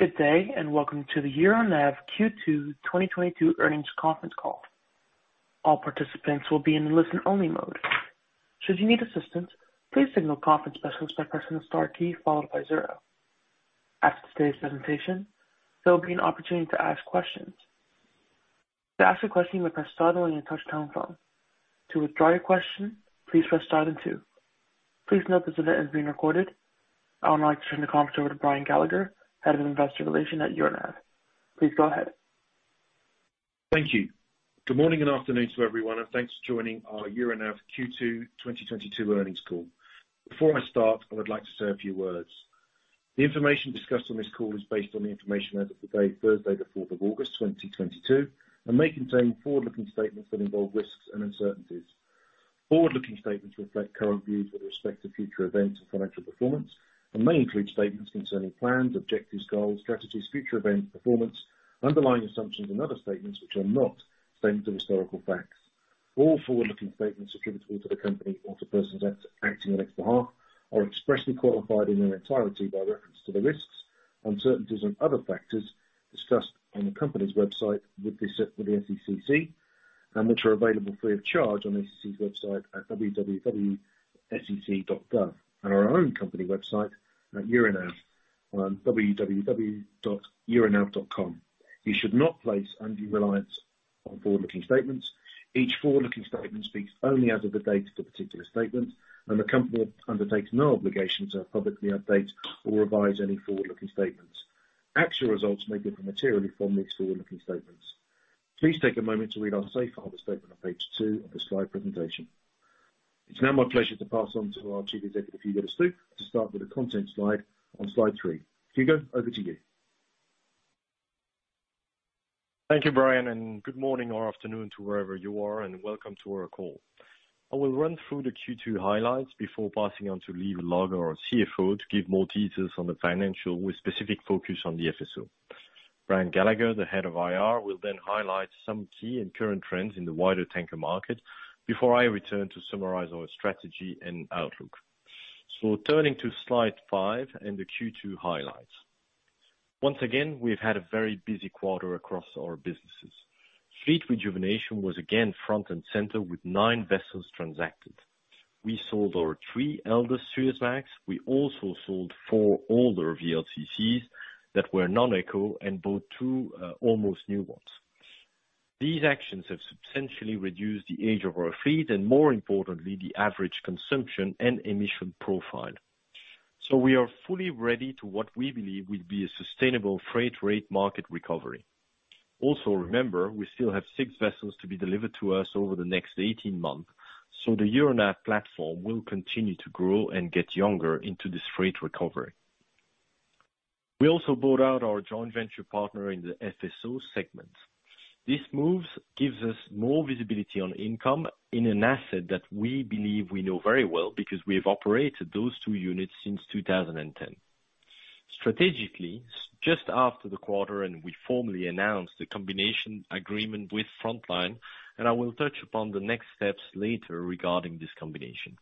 Good day, and welcome to the Euronav Q2 2022 Earnings Conference Call. All participants will be in listen-only mode. Should you need assistance, please signal conference specialists by pressing the star key followed by zero. After today's presentation, there will be an opportunity to ask questions. To ask a question, you may press star on your touchtone phone. To withdraw your question, please press star then two. Please note this event is being recorded. I would like to turn the conference over to Brian Gallagher, Head of Investor Relations at Euronav. Please go ahead. Thank you. Good morning and afternoon to everyone, and thanks for joining our Euronav Q2 2022 earnings call. Before I start, I would like to say a few words. The information discussed on this call is based on the information as of today, Thursday, August 4th, 2022, and may contain forward-looking statements that involve risks and uncertainties. Forward-looking statements reflect current views with respect to future events and financial performance, and may include statements concerning plans, objectives, goals, strategies, future events, performance, underlying assumptions and other statements which are not historical facts. All forward-looking statements attributable to the company or to persons at, acting on its behalf are expressly qualified in their entirety by reference to the risks, uncertainties, and other factors discussed on the company's website with the SEC, and which are available free of charge on SEC's website at www.sec.gov, and our own company website at Euronav on www.euronav.com. You should not place undue reliance on forward-looking statements. Each forward-looking statement speaks only as of the date of the particular statement, and the company undertakes no obligation to publicly update or revise any forward-looking statements. Actual results may differ materially from these forward-looking statements. Please take a moment to read our safe harbor statement on page two of the slide presentation. It's now my pleasure to pass on to our Chief Executive, Hugo De Stoop, to start with the content slide on slide three. Hugo, over to you. Thank you Brian and good morning or afternoon to wherever you are, and welcome to our call. I will run through the Q2 highlights before passing on to Lieve Logghe, our CFO, to give more details on the financials with specific focus on the FSO. Brian Gallagher, the Head of IR, will then highlight some key and current trends in the wider tanker market before I return to summarize our strategy and outlook. Turning to slide five and the Q2 highlights. Once again, we've had a very busy quarter across our businesses. Fleet rejuvenation was again front and center with nine vessels transacted. We sold our 3three oldest Suezmax. We also sold four older VLCCs that were non-eco and bought two2 almost new ones. These actions have substantially reduced the age of our fleet and more importantly, the average consumption and emission profile. We are fully ready to what we believe will be a sustainable freight rate market recovery. Also, remember, we still have six vessels to be delivered to us over the next 18 months, so the Euronav platform will continue to grow and get younger into this freight recovery. We also bought out our joint venture partner in the FSO segment. This move gives us more visibility on income in an asset that we believe we know very well because we have operated those two units since 2010. Strategically, just after the quarter, we formally announced the combination agreement with Frontline, and I will touch upon the next steps later regarding this combination.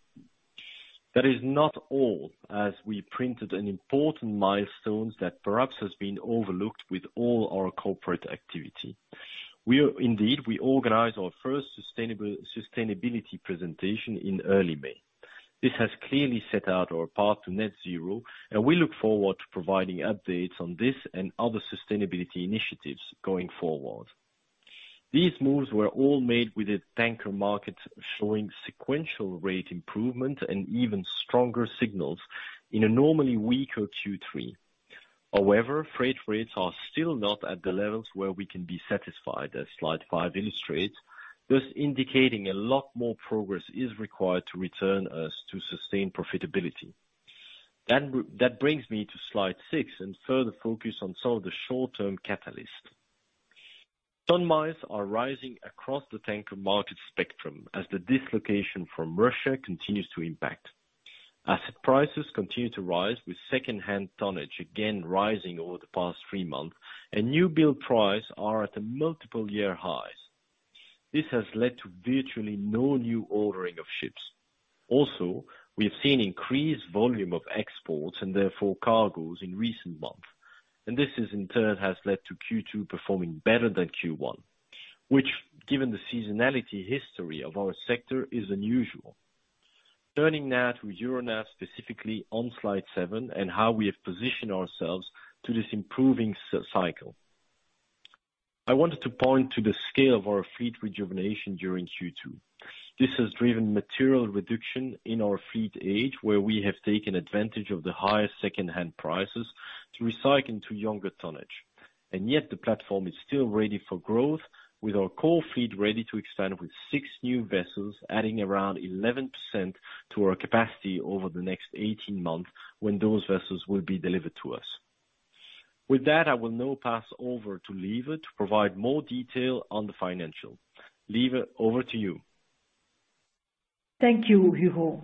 That is not all, as we printed an important milestone that perhaps has been overlooked with all our corporate activity. We are indeed, we organized our first sustainability presentation in early May. This has clearly set out our path to net zero, and we look forward to providing updates on this and other sustainability initiatives going forward. These moves were all made with the tanker market showing sequential rate improvement and even stronger signals in a normally weaker Q3. However, freight rates are still not at the levels where we can be satisfied, as slide five illustrates, thus indicating a lot more progress is required to return us to sustained profitability. That brings me to slide six and further focus on some of the short-term catalysts. Ton-miles are rising across the tanker market spectrum as the dislocation from Russia continues to impact. Asset prices continue to rise, with secondhand tonnage again rising over the past three months, and newbuild prices are at multi-year highs. This has led to virtually no new ordering of ships. Also, we have seen increased volume of exports and therefore cargoes in recent months. This is in turn has led to Q2 performing better than Q1, which given the seasonality history of our sector is unusual. Turning now to Euronav specifically on slide seven and how we have positioned ourselves to this improving up-cycle. I wanted to point to the scale of our fleet rejuvenation during Q2. This has driven material reduction in our fleet age, where we have taken advantage of the higher secondhand prices to recycle into younger tonnage. Yet the platform is still ready for growth with our core fleet ready to expand with six new vessels, adding around 11% to our capacity over the next 18 months when those vessels will be delivered to us. With that, I will now pass over to Lieve to provide more detail on the financials. Lieve, over to you. Thank you, Hugo.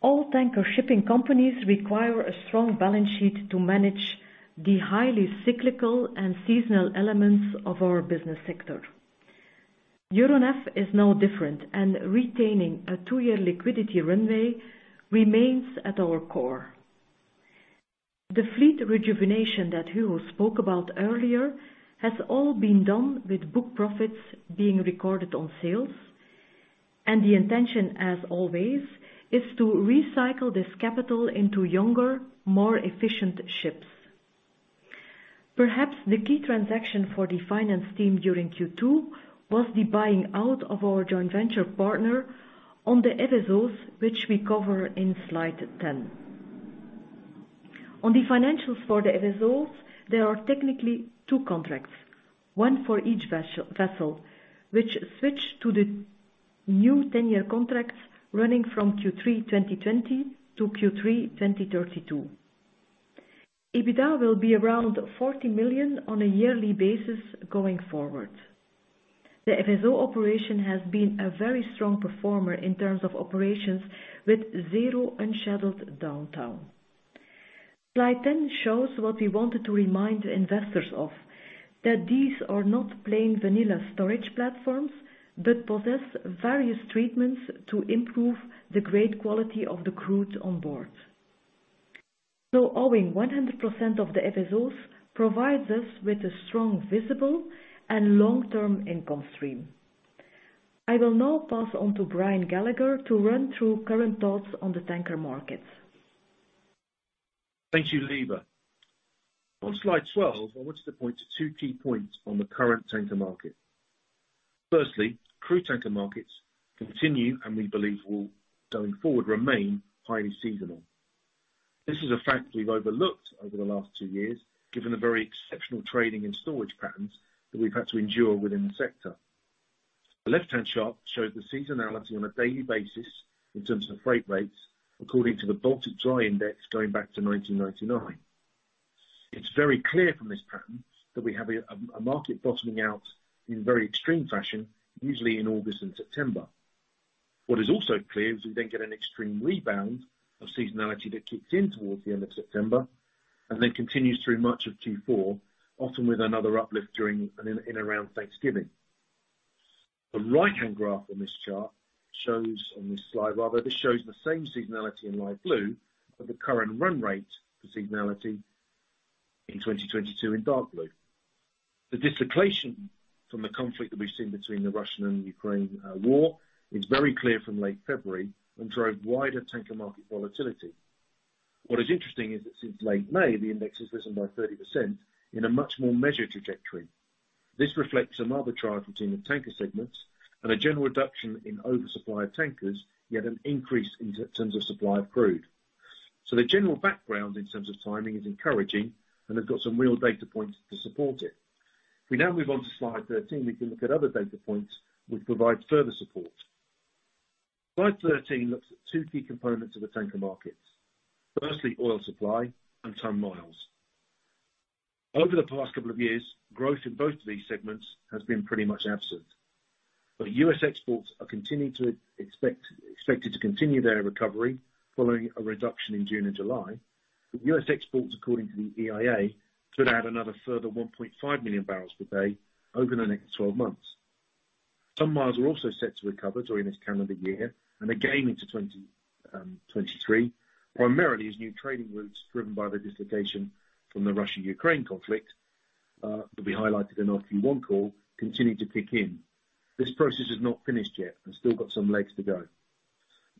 All tanker shipping companies require a strong balance sheet to manage the highly cyclical and seasonal elements of our business sector. Euronav is no different, and retaining a two-year liquidity runway remains at our core. The fleet rejuvenation that Hugo spoke about earlier has all been done with book profits being recorded on sales, and the intention, as always, is to recycle this capital into younger, more efficient ships. Perhaps the key transaction for the finance team during Q2 was the buying out of our joint venture partner on the FSOs, which we cover in slide 10. On the financials for the FSOs, there are technically two contracts, one for each vessel, which switch to the new 10-year contracts running from Q3 2020 to Q3 2032. EBITDA will be around $40 million on a yearly basis going forward. The FSO operation has been a very strong performer in terms of operations with zero unscheduled downtime. Slide 10 shows what we wanted to remind investors of, that these are not plain vanilla storage platforms, but possess various treatments to improve the grade quality of the crude on board. Owing 100% of the FSOs provides us with a strong, visible, and long-term income stream. I will now pass on to Brian Gallagher to run through current thoughts on the tanker markets. Thank you, Lieve. On slide 12, I want to point to two key points on the current tanker market. Firstly, crude tanker markets continue, and we believe will, going forward, remain highly seasonal. This is a fact we've overlooked over the last two years, given the very exceptional trading and storage patterns that we've had to endure within the sector. The left-hand chart shows the seasonality on a daily basis in terms of freight rates according to the Baltic Dirty Tanker Index going back to 1999. It's very clear from this pattern that we have a market bottoming out in very extreme fashion, usually in August and September. What is also clear is we then get an extreme rebound of seasonality that kicks in towards the end of September and then continues through much of Q4, often with another uplift during and around Thanksgiving. The right-hand graph on this chart shows, on this slide rather, this shows the same seasonality in light blue of the current run rate for seasonality in 2022 in dark blue. The dislocation from the conflict that we've seen between Russia and Ukraine war is very clear from late February and drove wider tanker market volatility. What is interesting is that since late May, the index has risen by 30% in a much more measured trajectory. This reflects another triumph between the tanker segments and a general reduction in oversupply of tankers, yet an increase in terms of supply of crude. The general background in terms of timing is encouraging, and they've got some real data points to support it. We now move on to slide 13. We can look at other data points which provide further support. Slide 13 looks at two key components of the tanker markets. Firstly, oil supply and ton-miles. Over the past couple of years, growth in both of these segments has been pretty much absent. U.S. exports are expected to continue their recovery following a reduction in June and July, with U.S. exports according to the EIA could add another further 1.5 million barrels per day over the next 12 months. Ton-miles are also set to recover during this calendar year and again into 2023, primarily as new trading routes driven by the dislocation from the Russia-Ukraine conflict that we highlighted in our Q1 call continue to kick in. This process is not finished yet and still got some legs to go.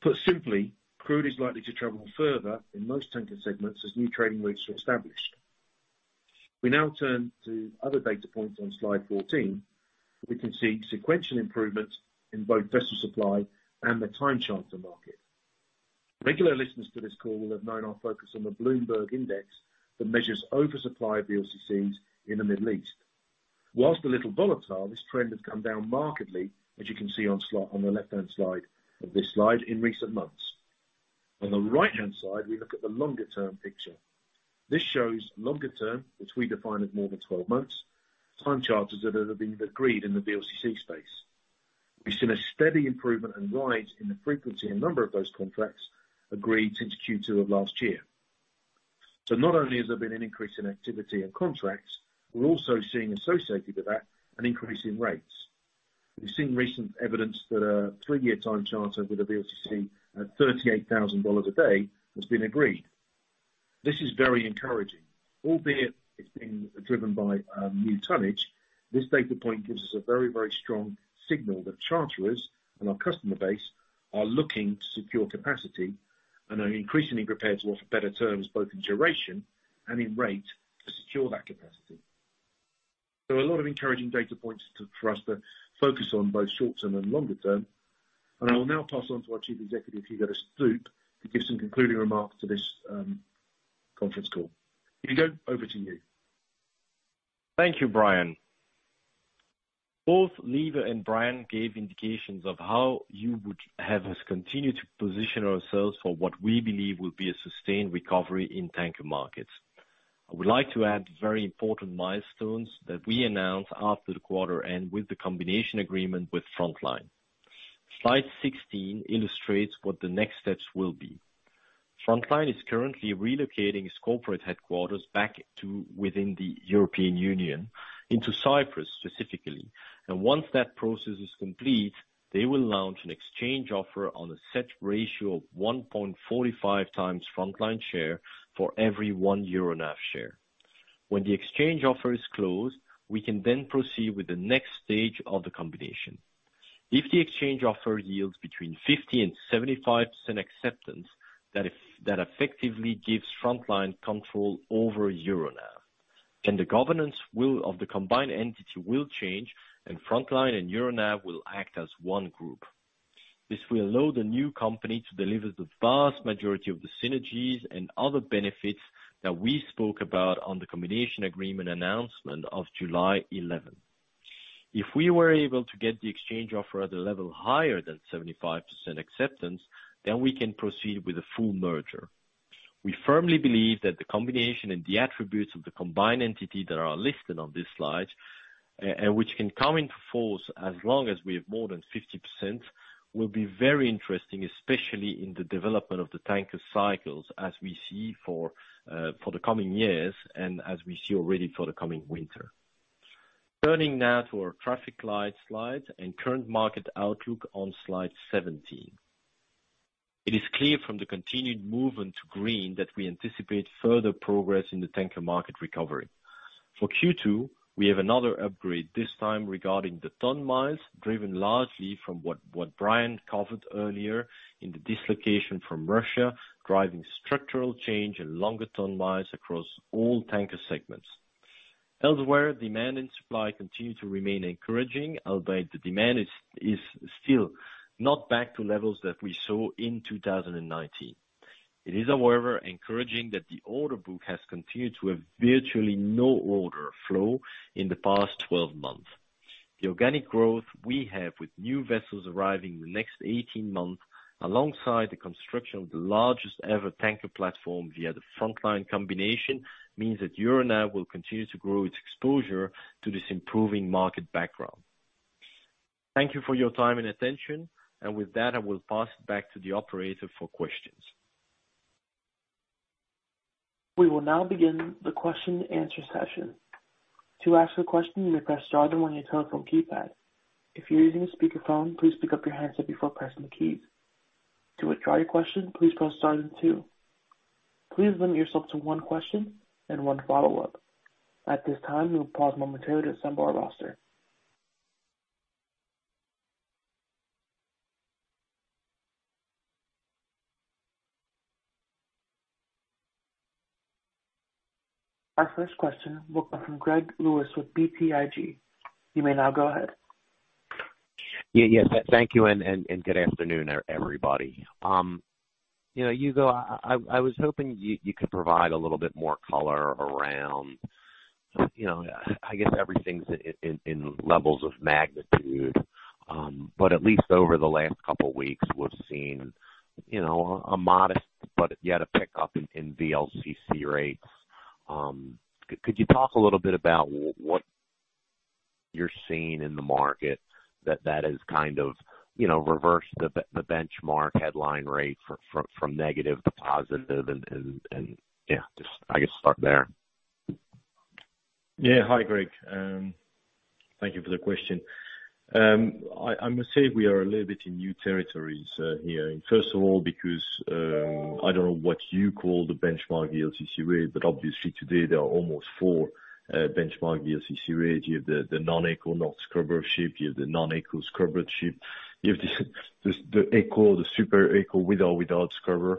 Put simply, crude is likely to travel further in most tanker segments as new trading routes are established. We now turn to other data points on slide 14. We can see sequential improvement in both vessel supply and the time charter market. Regular listeners to this call will have known our focus on the Bloomberg index that measures oversupply of VLCCs in the Middle East. While a little volatile, this trend has come down markedly, as you can see on the left-hand slide of this slide, in recent months. On the right-hand side, we look at the longer term picture. This shows longer term, which we define as more than 12 months, time charters that have been agreed in the VLCC space. We've seen a steady improvement and rise in the frequency and number of those contracts agreed since Q2 of last year. Not only has there been an increase in activity and contracts, we're also seeing associated with that an increase in rates. We've seen recent evidence that a two-year time charter with a VLCC at $38,000 a day has been agreed. This is very encouraging. Albeit it's being driven by new tonnage, this data point gives us a very, very strong signal that charterers and our customer base are looking to secure capacity and are increasingly prepared to offer better terms, both in duration and in rate, to secure that capacity. A lot of encouraging data points for us to focus on both short term and longer term. I will now pass on to our chief executive, Hugo De Stoop, to give some concluding remarks to this conference call. Hugo, over to you. Thank you, Brian. Both Lieve and Brian gave indications of how you would have us continue to position ourselves for what we believe will be a sustained recovery in tanker markets. I would like to add very important milestones that we announced after the quarter end with the combination agreement with Frontline. Slide 16 illustrates what the next steps will be. Frontline is currently relocating its corporate headquarters back to within the European Union into Cyprus specifically. Once that process is complete, they will launch an exchange offer on a set ratio of 1.45x Frontline share for every one Euronav share. When the exchange offer is closed, we can then proceed with the next stage of the combination. If the exchange offer yields between 50%-75% acceptance, that effectively gives Frontline control over Euronav, and the governance of the combined entity will change, and Frontline and Euronav will act as one group. This will allow the new company to deliver the vast majority of the synergies and other benefits that we spoke about on the combination agreement announcement of July 11. If we were able to get the exchange offer at a level higher than 75% acceptance, then we can proceed with a full merger. We firmly believe that the combination and the attributes of the combined entity that are listed on this slide, and which can come into force as long as we have more than 50%, will be very interesting, especially in the development of the tanker cycles as we see for the coming years and as we see already for the coming winter. Turning now to our traffic light slide and current market outlook on slide 17. It is clear from the continued movement to green that we anticipate further progress in the tanker market recovery. For Q2, we have another upgrade, this time regarding the ton-miles, driven largely from what Brian covered earlier in the dislocation from Russia, driving structural change and longer ton-miles across all tanker segments. Elsewhere, demand and supply continue to remain encouraging, albeit the demand is still not back to levels that we saw in 2019. It is, however, encouraging that the order book has continued to have virtually no order flow in the past 12 months. The organic growth we have with new vessels arriving in the next 18 months, alongside the construction of the largest ever tanker platform via the Frontline combination, means that Euronav will continue to grow its exposure to this improving market background. Thank you for your time and attention. With that, I will pass it back to the operator for questions. We will now begin the question and answer session. To ask a question, you may press star, then one on your telephone keypad. If you're using a speaker phone, please pick up your handset before pressing the keys. To withdraw your question, please press star, then two. Please limit yourself to one question and one follow-up. At this time, we will pause momentarily to assemble our roster. Our first question will come from Gregory Lewis with BTIG. You may now go ahead. Yes, thank you and good afternoon, everybody. You know, Hugo, I was hoping you could provide a little bit more color around, you know, I guess everything's in levels of magnitude, but at least over the last couple weeks, we've seen, you know, a modest but yet a pickup in VLCC rates. Could you talk a little bit about what you're seeing in the market that has kind of, you know, reversed the benchmark headline rate from negative to positive? Yeah, just I guess start there. Yeah. Hi, Greg. Thank you for the question. I must say we are a little bit in new territories here. First of all, because I don't know what you call the benchmark VLCC rate, but obviously today there are almost four benchmark VLCC rates. You have the non-eco, not scrubber ship, you have the non-eco scrubbered ship. You have the eco, the super eco, with or without scrubber.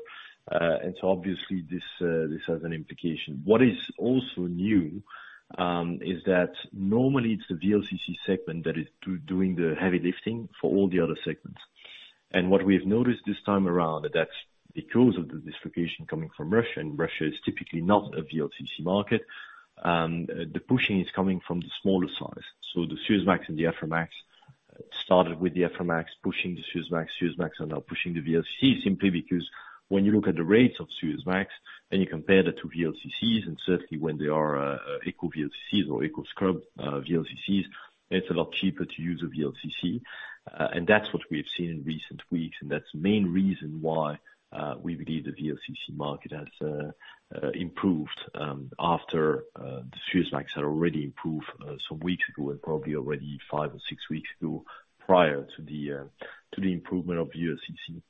So obviously this has an implication. What is also new is that normally it's the VLCC segment that is doing the heavy lifting for all the other segments. What we have noticed this time around is that because of the dislocation coming from Russia, and Russia is typically not a VLCC market, the pushing is coming from the smaller size. The Suezmax and the Aframax started with the Aframax pushing the Suezmax. Suezmax are now pushing the VLCC simply because when you look at the rates of Suezmax and you compare that to VLCC, and certainly when they are eco VLCC or eco scrubber VLCC, it's a lot cheaper to use a VLCC. And that's what we have seen in recent weeks, and that's the main reason why we believe the VLCC market has improved after the Suezmax had already improved some weeks ago and probably already five or six weeks ago prior to the improvement of VLCC.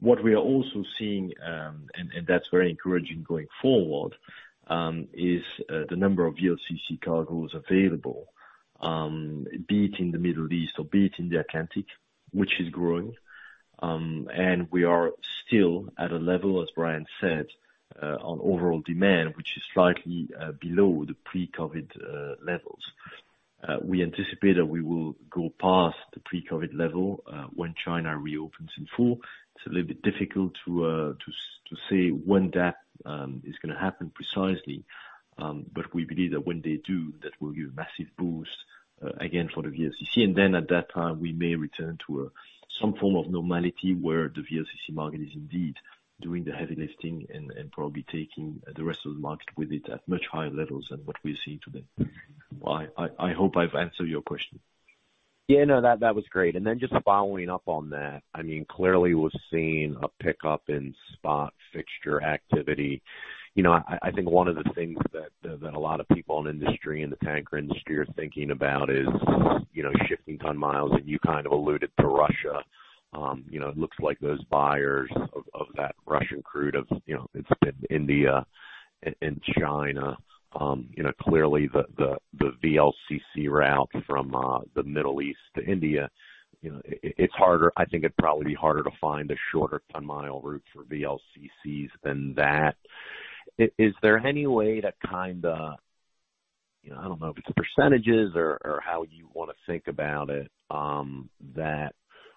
What we are also seeing, and that's very encouraging going forward, is the number of VLCC cargoes available, be it in the Middle East or be it in the Atlantic, which is growing. We are still at a level, as Brian said, on overall demand which is slightly below the pre-COVID levels. We anticipate that we will go past the pre-COVID level when China reopens in full. It's a little bit difficult to say when that is gonna happen precisely, but we believe that when they do, that will give a massive boost again for the VLCC. At that time, we may return to some form of normality where the VLCC market is indeed doing the heavy lifting and probably taking the rest of the market with it at much higher levels than what we're seeing today. I hope I've answered your question. Yeah, no, that was great. Then just following up on that, I mean, clearly we're seeing a pickup in spot fixture activity. You know, I think one of the things that a lot of people in industry, in the tanker industry are thinking about is, you know, shifting ton-miles, and you kind of alluded to Russia. You know, it looks like those buyers of that Russian crude, you know, it's been India and China, you know, clearly the VLCC route from the Middle East to India, you know, it's harder. I think it'd probably be harder to find a shorter ton-mile route for VLCCs than that. Is there any way to kinda, you know, I don't know if it's percentages or how you wanna think about it, that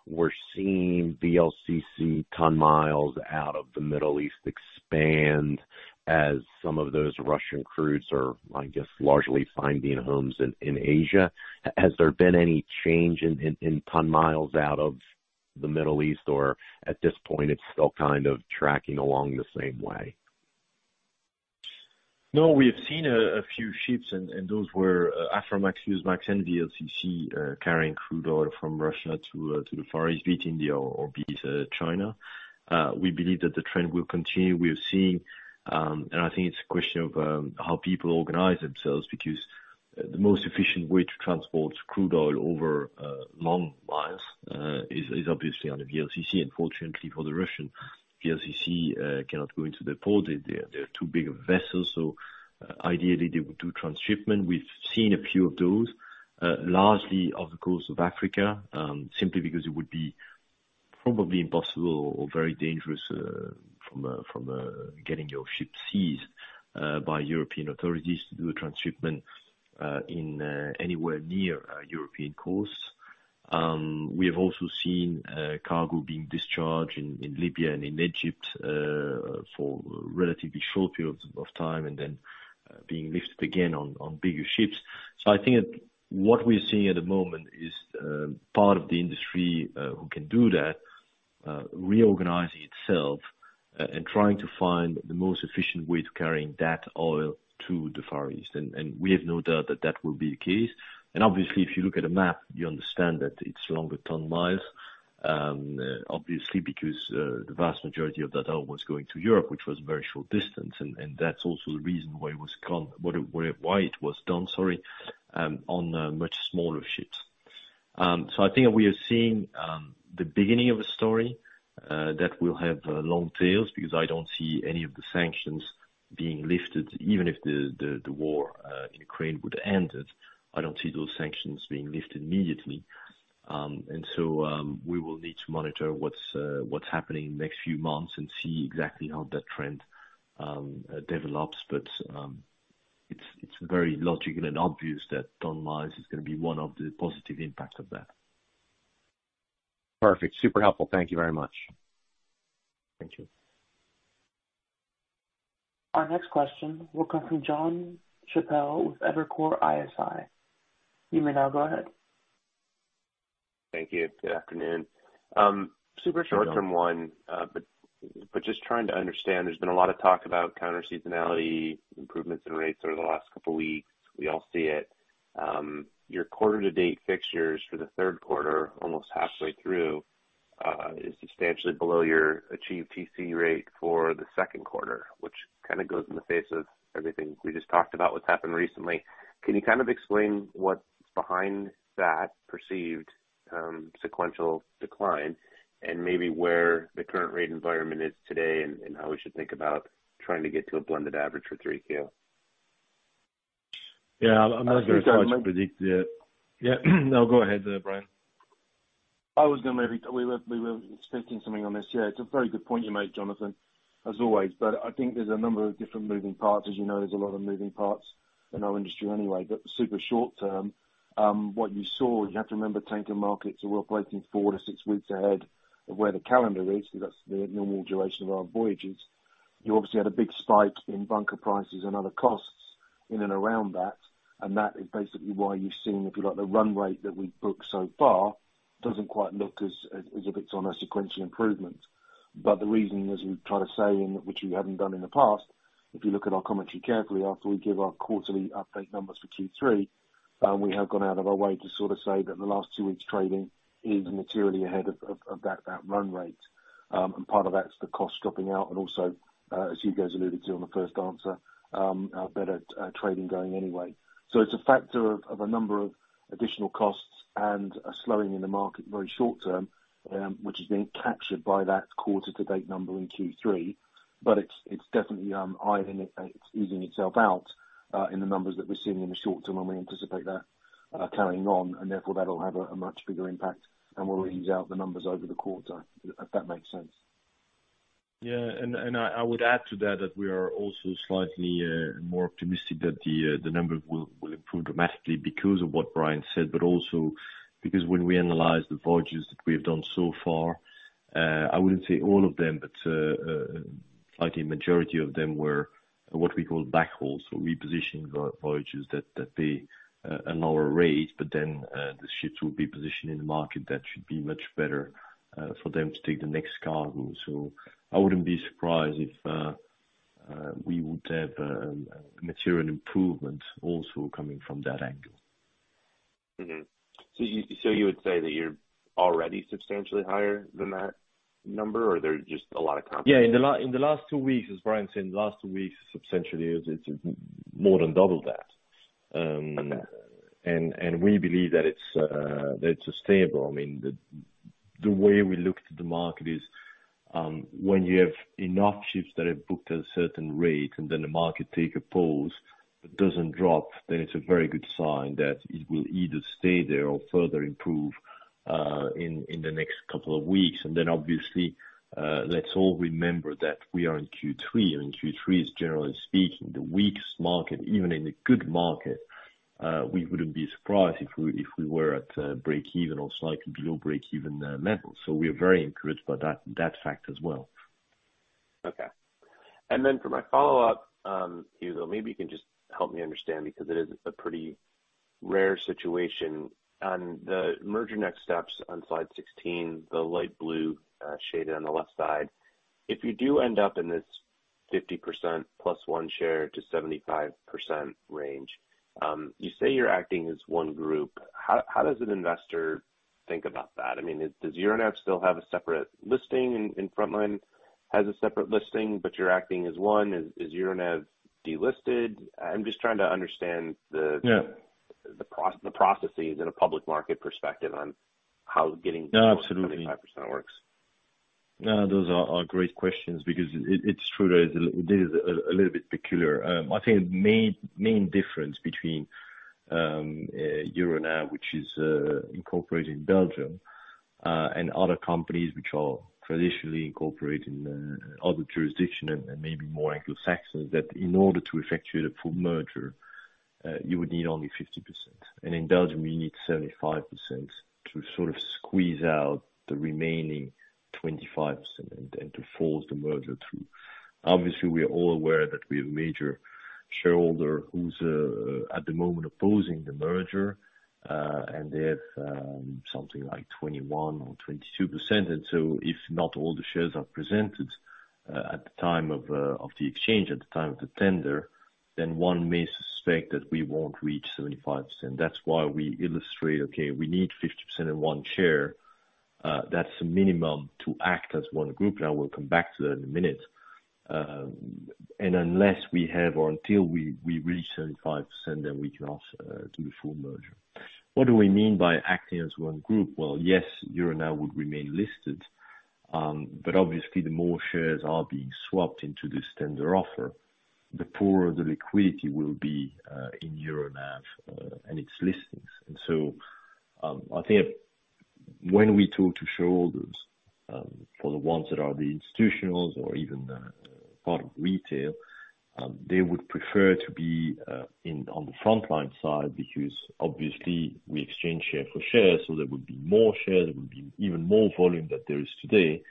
we're seeing VLCC ton miles out of the Middle East expand as some of those Russian crudes are, I guess, largely finding homes in Asia? Has there been any change in ton miles out of the Middle East, or at this point, it's still kind of tracking along the same way? No, we have seen a few ships and those were Aframax, Suezmax and VLCC carrying crude oil from Russia to the Far East, be it India or be it China. We believe that the trend will continue. We are seeing and I think it's a question of how people organize themselves, because the most efficient way to transport crude oil over long miles is obviously on a VLCC. Unfortunately for the Russian, VLCC cannot go into the port. They're too big of vessels, so ideally they would do transshipment. We've seen a few of those, largely off the coast of Africa, simply because it would be probably impossible or very dangerous, from getting your ship seized by European authorities to do a transshipment in anywhere near a European coast. We have also seen cargo being discharged in Libya and in Egypt for relatively short periods of time, and then being lifted again on bigger ships. I think that what we're seeing at the moment is part of the industry who can do that reorganizing itself and trying to find the most efficient way to carrying that oil to the Far East. We have no doubt that that will be the case. Obviously, if you look at a map, you understand that it's longer ton-miles, obviously because the vast majority of that oil was going to Europe, which was a very short distance, and that's also the reason why it was done, sorry, on much smaller ships. I think we are seeing the beginning of a story that will have long tails, because I don't see any of the sanctions being lifted, even if the war in Ukraine would end. I don't see those sanctions being lifted immediately. We will need to monitor what's happening next few months and see exactly how that trend develops. It's very logical and obvious that ton-miles is gonna be one of the positive impact of that. Perfect. Super helpful. Thank you very much. Thank you. Our next question will come from Jonathan Chappell with Evercore ISI. You may now go ahead. Thank you. Good afternoon. Super short term one. Good afternoon. Just trying to understand, there's been a lot of talk about counter seasonality improvements in rates over the last couple weeks. We all see it. Your quarter to date fixtures for the third quarter, almost halfway through, is substantially below your achieved PC rate for the second quarter, which kinda goes in the face of everything we just talked about, what's happened recently. Can you kind of explain what's behind that perceived sequential decline and maybe where the current rate environment is today and how we should think about trying to get to a blended average for 3Q? Yeah. I'm not going to predict the. I was gonna. Yeah. No, go ahead, Brian. We were expecting something on this. Yeah, it's a very good point you make, Jonathan, as always, but I think there's a number of different moving parts. As you know, there's a lot of moving parts in our industry anyway. Super short term, what you saw, you have to remember tanker markets are working four to six weeks ahead of where the calendar is. That's the normal duration of our voyages. You obviously had a big spike in bunker prices and other costs in and around that, and that is basically why you're seeing, if you like, the run rate that we've booked so far doesn't quite look as if it's on a sequential improvement. The reason, as we try to say, and which we haven't done in the past, if you look at our commentary carefully, after we give our quarterly update numbers for Q3, we have gone out of our way to sort of say that the last two weeks trading is materially ahead of that run rate. Part of that's the cost dropping out and also, as you guys alluded to on the first answer, a better trading going anyway. It's a factor of a number of additional costs and a slowing in the market very short term, which is being captured by that quarter to date number in Q3. It's definitely easing itself out in the numbers that we're seeing in the short term, and we anticipate that carrying on, and therefore that will have a much bigger impact, and we'll ease out the numbers over the quarter, if that makes sense. Yeah. I would add to that we are also slightly more optimistic that the number will improve dramatically because of what Brian said, but also because when we analyze the voyages that we have done so far, I wouldn't say all of them, but I think majority of them were what we call backhauls. We position voyages that pay a lower rate, but then the ships will be positioned in the market. That should be much better for them to take the next cargo. I wouldn't be surprised if we would have a material improvement also coming from that angle. You would say that you're already substantially higher than that number or there's just a lot of confidence? Yeah, in the last two weeks, as Brian said, substantially it's more than double that. Okay. We believe that it's sustainable. I mean, the way we look at the market is, when you have enough ships that have booked at a certain rate and then the market takes a pause, but doesn't drop, then it's a very good sign that it will either stay there or further improve in the next couple of weeks. Obviously, let's all remember that we are in Q3, and Q3 is generally speaking, the weakest market, even in a good market. We wouldn't be surprised if we were at breakeven or slightly below breakeven level. We are very encouraged by that fact as well. Okay. For my follow-up, Hugo de Stoop, maybe you can just help me understand because it is a pretty rare situation. On the merger next steps on slide 16, the light blue shaded on the left side. If you do end up in this 50% plus one share to 75% range, you say you're acting as one group. How does an investor think about that? I mean, does Euronav still have a separate listing and Frontline has a separate listing, but you're acting as one? Is Euronav delisted? I'm just trying to understand the Yeah. The processes in a public market perspective on how getting. No, absolutely. To 75% works. No, those are great questions because it's true that it is a little bit peculiar. I think the main difference between Euronav, which is incorporated in Belgium, and other companies which are traditionally incorporated in other jurisdictions and maybe more Anglo-Saxon, is that in order to effectuate a full merger, you would need only 50%. In Belgium, you need 75% to sort of squeeze out the remaining 25% and then to force the merger through. Obviously, we are all aware that we have a major shareholder who's at the moment opposing the merger, and they have something like 21% or 22%. If not all the shares are presented at the time of the exchange, at the time of the tender, then one may suspect that we won't reach 75%. That's why we illustrate, okay, we need 50% and one share. That's the minimum to act as one group. Now we'll come back to that in a minute. Unless we have or until we reach 75%, then we can ask do the full merger. What do we mean by acting as one group? Well, yes, Euronav would remain listed, but obviously the more shares are being swapped into this tender offer, the poorer the liquidity will be in Euronav and its listings. I think when we talk to shareholders, for the ones that are the institutionals or even part of retail, they would prefer to be in on the Frontline side because obviously we exchange share for share, so there would be more shares, there would be even more volume than there is today.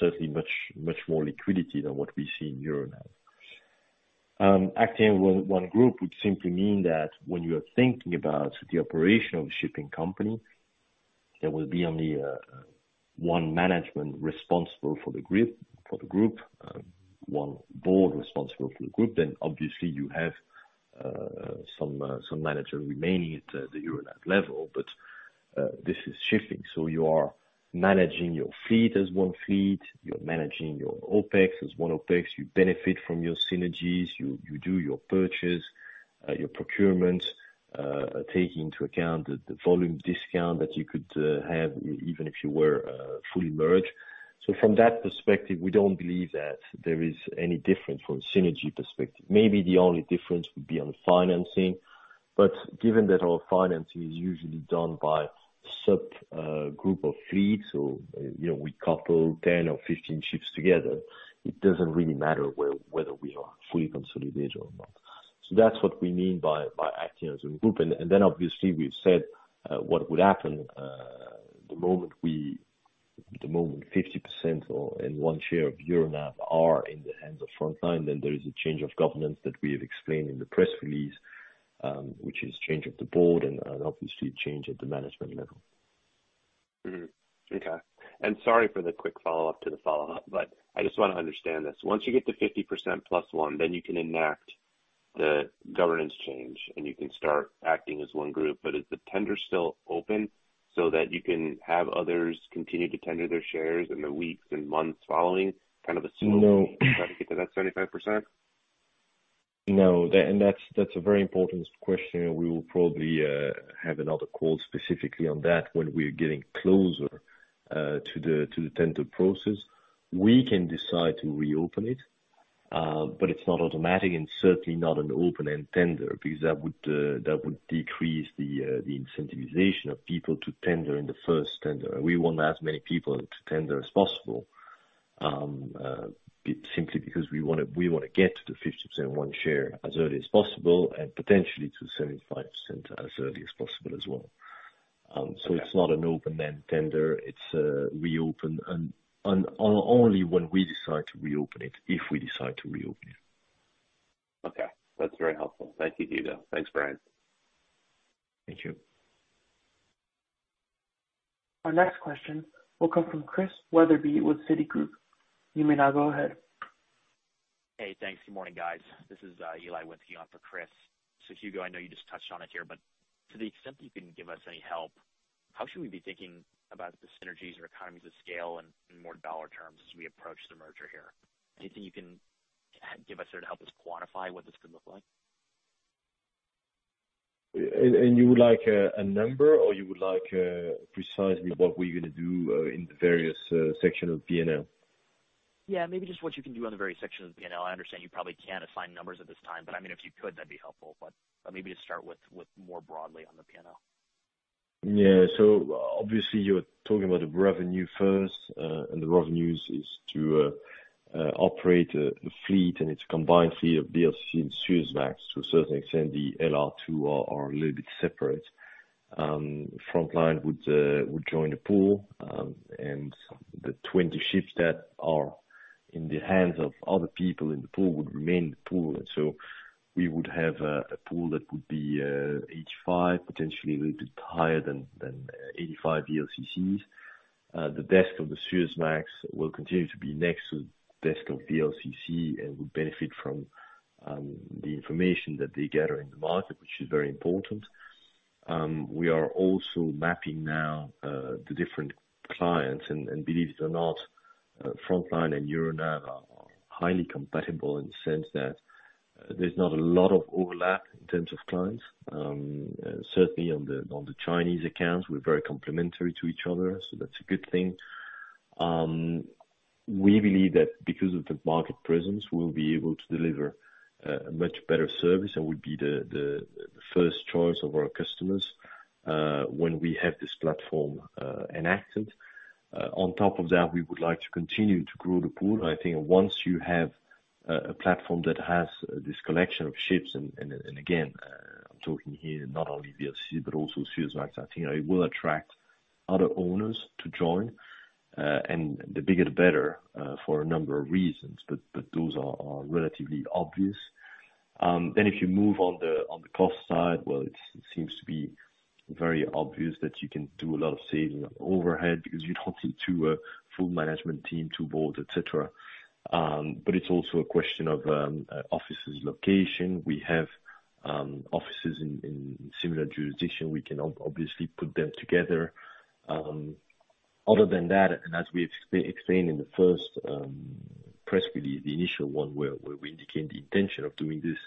Certainly much, much more liquidity than what we see in Euronav. Acting in one group would simply mean that when you are thinking about the operation of a shipping company, there will be only one management responsible for the group. One board responsible for the group. Obviously you have some managers remaining at the Euronav level. This is shifting. You are managing your fleet as one fleet. You're managing your OpEx as one OpEx. You benefit from your synergies. You do your purchase, your procurement, taking into account the volume discount that you could have even if you were fully merged. From that perspective, we don't believe that there is any difference from synergy perspective. Maybe the only difference would be on financing. Given that our financing is usually done by subgroup of fleets or, you know, we couple 10 or 15 ships together, it doesn't really matter whether we are fully consolidated or not. That's what we mean by acting as a group. Then obviously we've said what would happen the moment 50% or one share of Euronav are in the hands of Frontline, then there is a change of governance that we have explained in the press release, which is change of the board and obviously change at the management level. Sorry for the quick follow-up to the follow-up, but I just wanna understand this. Once you get to 50% plus one, then you can enact the governance change, and you can start acting as one group. But is the tender still open so that you can have others continue to tender their shares in the weeks and months following? No. Try to get to that 75%? No. That's a very important question. We will probably have another call specifically on that when we're getting closer to the tender process. We can decide to reopen it, but it's not automatic and certainly not an open-ended tender, because that would decrease the incentivization of people to tender in the first tender. We want as many people to tender as possible, simply because we wanna get to the 50% ownership as early as possible and potentially to 75% as early as possible as well. Okay. It's not an open-end tender. It's reopened only when we decide to reopen it, if we decide to reopen it. Okay. That's very helpful. Thank you, Hugo De Stoop. Thanks, Brian. Thank you. Our next question will come from Christian Wetherbee with Citigroup. You may now go ahead. Hey, thanks. Good morning, guys. This is Eli with you on for Chris. Hugo, I know you just touched on it here, but to the extent that you can give us any help, how should we be thinking about the synergies or economies of scale in more dollar terms as we approach the merger here? Anything you can give us or to help us quantify what this could look like? You would like a number or you would like precisely what we're gonna do in the various section of P&L? Yeah, maybe just what you can do on the various sections of P&L. I understand you probably can't assign numbers at this time, but I mean, if you could, that'd be helpful. Maybe just start with more broadly on the P&L. Yeah. Obviously, you're talking about the revenue first, and the revenues is to operate the fleet, and it's a combined fleet of VLCC and Suezmax to a certain extent, the LR2 are a little bit separate. Frontline would join the pool, and the 20 ships that are in the hands of other people in the pool would remain in the pool. We would have a pool that would be 85, potentially a little bit higher than 85 VLCCs. The desk of the Suezmax will continue to be next to the desk of VLCC and will benefit from the information that they gather in the market, which is very important. We are also mapping now, the different clients, and believe it or not, Frontline and Euronav are highly compatible in the sense that there's not a lot of overlap in terms of clients. Certainly on the Chinese accounts, we're very complementary to each other, so that's a good thing. We believe that because of the market presence, we'll be able to deliver a much better service, and we'll be the first choice of our customers, when we have this platform, enacted. On top of that, we would like to continue to grow the pool. I think once you have a platform that has this collection of ships and, again, I'm talking here not only VLCC but also Suezmax, I think it will attract other owners to join. The bigger, the better, for a number of reasons, but those are relatively obvious. If you move on the cost side, well, it seems to be very obvious that you can do a lot of saving overhead because you don't need two full management team, two boards, et cetera. But it's also a question of offices location. We have offices in similar jurisdiction. We can obviously put them together. Other than that, and as we explained in the first press release, the initial one where we indicated the intention of doing this,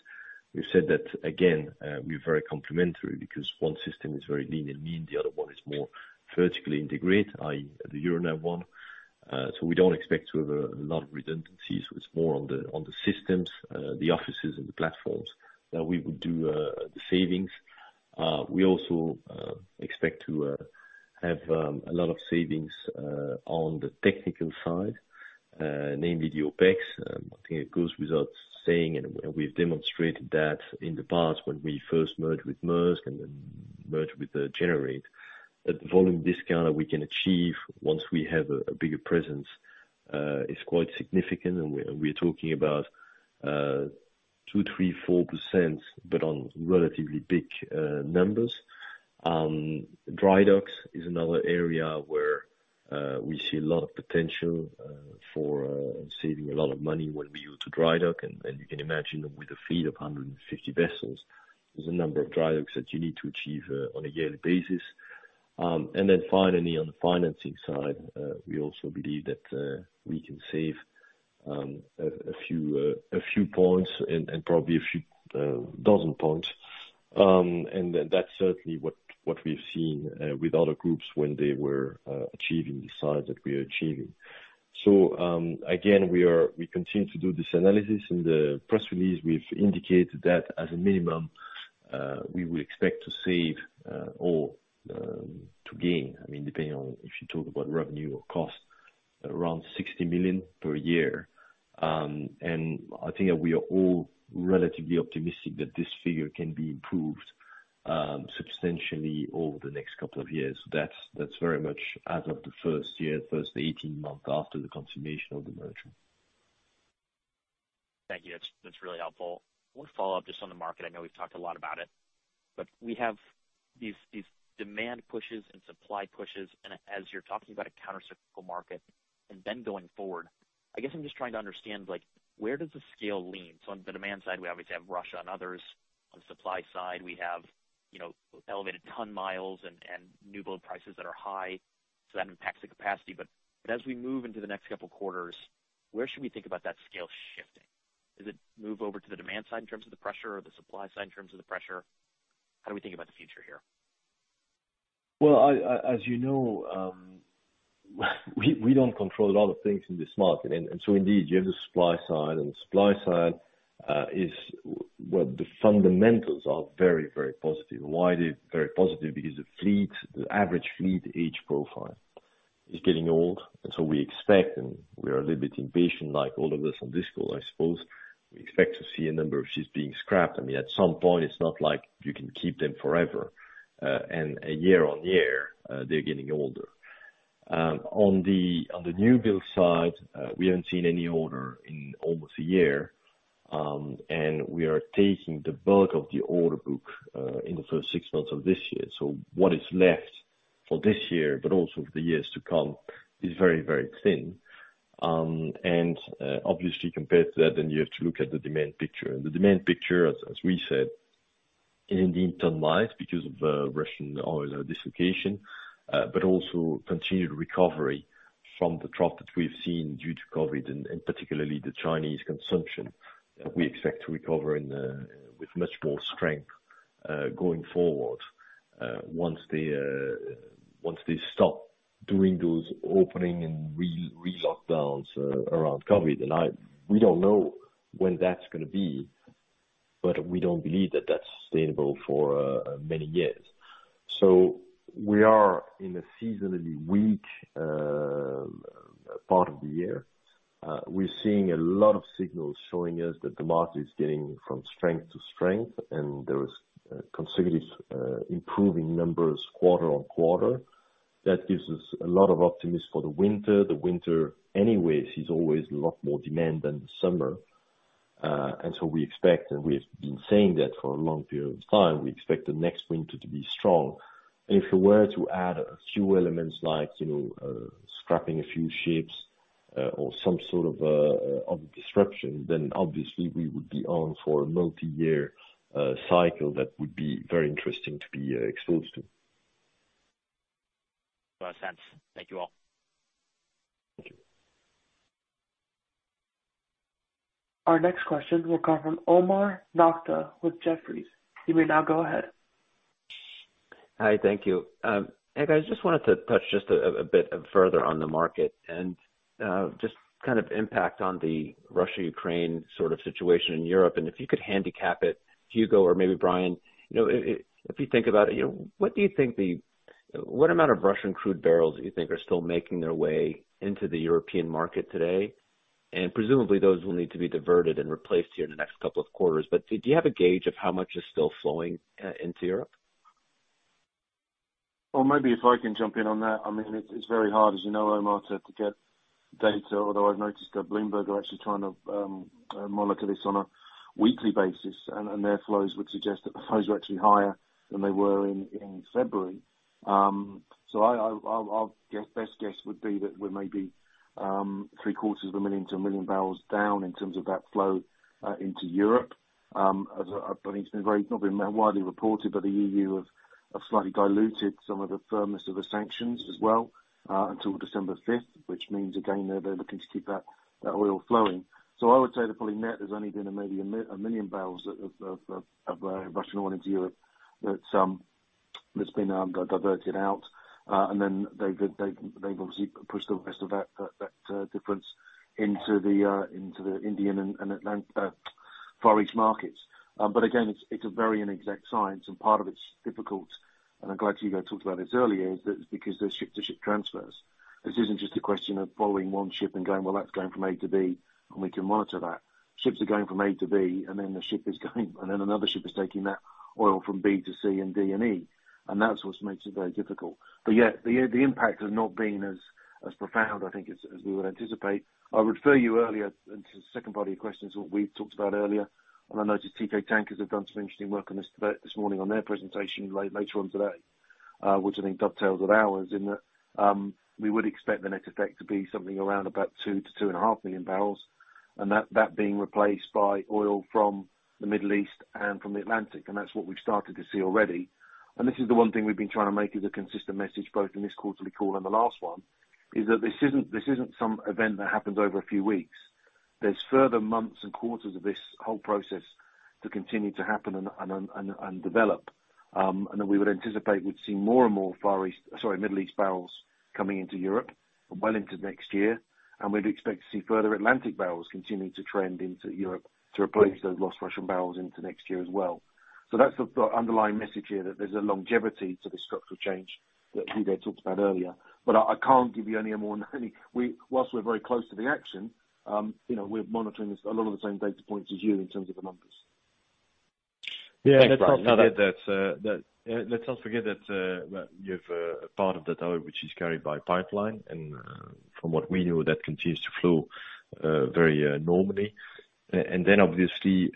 we've said that again, we're very complementary because one system is very lean and mean, the other one is more vertically integrated, i.e. the Euronav one. We don't expect to have a lot of redundancies. It's more on the systems, the offices and the platforms that we would do the savings. We also expect to have a lot of savings on the technical side, namely the OpEx. I think it goes without saying, and we've demonstrated that in the past when we first merged with Maersk and then merged with Gener8. The volume discounts that we can achieve once we have a bigger presence is quite significant, and we're talking about 2%, 3%, 4%, but on relatively big numbers. Dry docks is another area where we see a lot of potential for saving a lot of money when we use the dry dock. You can imagine with a fleet of 150 vessels, there's a number of dry docks that you need to achieve on a yearly basis. Then finally, on the financing side, we also believe that we can save a few points and probably a few dozen points. That's certainly what we've seen with other groups when they were achieving the size that we are achieving. Again, we continue to do this analysis. In the press release, we've indicated that as a minimum, we will expect to save or to gain, I mean, depending on if you talk about revenue or cost, around 60 million per year. I think that we are all relatively optimistic that this figure can be improved substantially over the next couple of years. That's very much as of the first year, first 18 months after the confirmation of the merger. Thank you. That's really helpful. One follow-up just on the market. I know we've talked a lot about it, but we have these demand pushes and supply pushes. As you're talking about a countercyclical market and then going forward, I guess I'm just trying to understand, like, where does the scale lean? So on the demand side, we obviously have Russia and others. On supply side, we have, you know, elevated ton-miles and new build prices that are high, so that impacts the capacity. As we move into the next couple of quarters, where should we think about that scale shifting? Does it move over to the demand side in terms of the pressure or the supply side in terms of the pressure? How do we think about the future here? Well, as you know, we don't control a lot of things in this market. Indeed you have the supply side, and the supply side is where the fundamentals are very, very positive. Why they're very positive? Because the fleet, the average fleet age profile is getting old. We expect, and we are a little bit impatient like all of us on this call, I suppose, we expect to see a number of ships being scrapped. I mean, at some point it's not like you can keep them forever. Year on year, they're getting older. On the new build side, we haven't seen any order in almost a year. We are taking the bulk of the order book in the first six months of this year. What is left for this year, but also for the years to come, is very, very thin. Obviously compared to that, then you have to look at the demand picture. The demand picture, as we said, is indeed turned lively because of Russian oil dislocation, but also continued recovery from the trough that we've seen due to COVID and particularly the Chinese consumption that we expect to recover with much more strength going forward once they stop doing those opening and re-lockdowns around COVID. We don't know when that's gonna be, but we don't believe that that's sustainable for many years. We are in a seasonally weak part of the year. We're seeing a lot of signals showing us that the market is getting from strength to strength, and there is consecutive improving numbers quarter on quarter. That gives us a lot of optimism for the winter. The winter anyway sees always a lot more demand than the summer. We expect, and we've been saying that for a long period of time, we expect the next winter to be strong. If you were to add a few elements like, you know, scrapping a few ships, or some sort of disruption, then obviously we would be on for a multiyear cycle that would be very interesting to be exposed to. Well said. Thank you all. Thank you. Our next question will come from Omar Nokta with Jefferies. You may now go ahead. Hi, thank you. Hey, guys, just wanted to touch just a bit further on the market and just kind of impact on the Russia-Ukraine sort of situation in Europe, and if you could handicap it, Hugo or maybe Brian. You know, if you think about it, you know, what do you think what amount of Russian crude barrels do you think are still making their way into the European market today? Presumably those will need to be diverted and replaced here in the next couple of quarters. Do you have a gauge of how much is still flowing into Europe? Well, maybe if I can jump in on that. I mean, it's very hard, as you know, Omar, to get data, although I've noticed that Bloomberg are actually trying to monitor this on a weekly basis, and their flows would suggest that the flows are actually higher than they were in February. I'll guess, best guess would be that we may be three-quarters of a million to one million barrels down in terms of that flow into Europe. As I believe it's not been widely reported, but the EU have slightly diluted some of the firmness of the sanctions as well, until December fifth, which means, again, they're looking to keep that oil flowing. I would say that probably net has only been maybe one million barrels of Russian oil into Europe that's been diverted out. Then they've obviously pushed the rest of that difference into the Indian and Far East markets. Again, it's a very inexact science, and part of it's difficult, and I'm glad Hugo talked about this earlier, is that it's because there's ship-to-ship transfers. This isn't just a question of following one ship and going, "Well, that's going from A-B, and we can monitor that." Ships are going from A-B, and then the ship is going and then another ship is taking that oil from B- to C and D and E. That's what makes it very difficult. Yet, the impact has not been as profound, I think, as we would anticipate. I would refer you earlier into the second part of your questions, what we talked about earlier. I noticed Teekay Tankers have done some interesting work on this this morning on their presentation later on today, which I think dovetails with ours in that, we would expect the net effect to be something around about 2-2.5 million barrels, and that being replaced by oil from the Middle East and from the Atlantic, and that's what we've started to see already. This is the one thing we've been trying to make as a consistent message, both in this quarterly call and the last one, is that this isn't some event that happens over a few weeks. There's further months and quarters of this whole process to continue to happen and develop. We would anticipate we'd see more and more Far East, sorry, Middle East barrels coming into Europe well into next year. We'd expect to see further Atlantic barrels continuing to trend into Europe to replace those lost Russian barrels into next year as well. That's the underlying message here, that there's a longevity to this structural change that Hugo talked about earlier. I can't give you any more than any. We, while we're very close to the action, you know, we're monitoring this, a lot of the same data points as you in terms of the numbers. Yeah, let's not forget that, well, you have a part of that oil which is carried by pipeline, and from what we know, that continues to flow very normally. Obviously,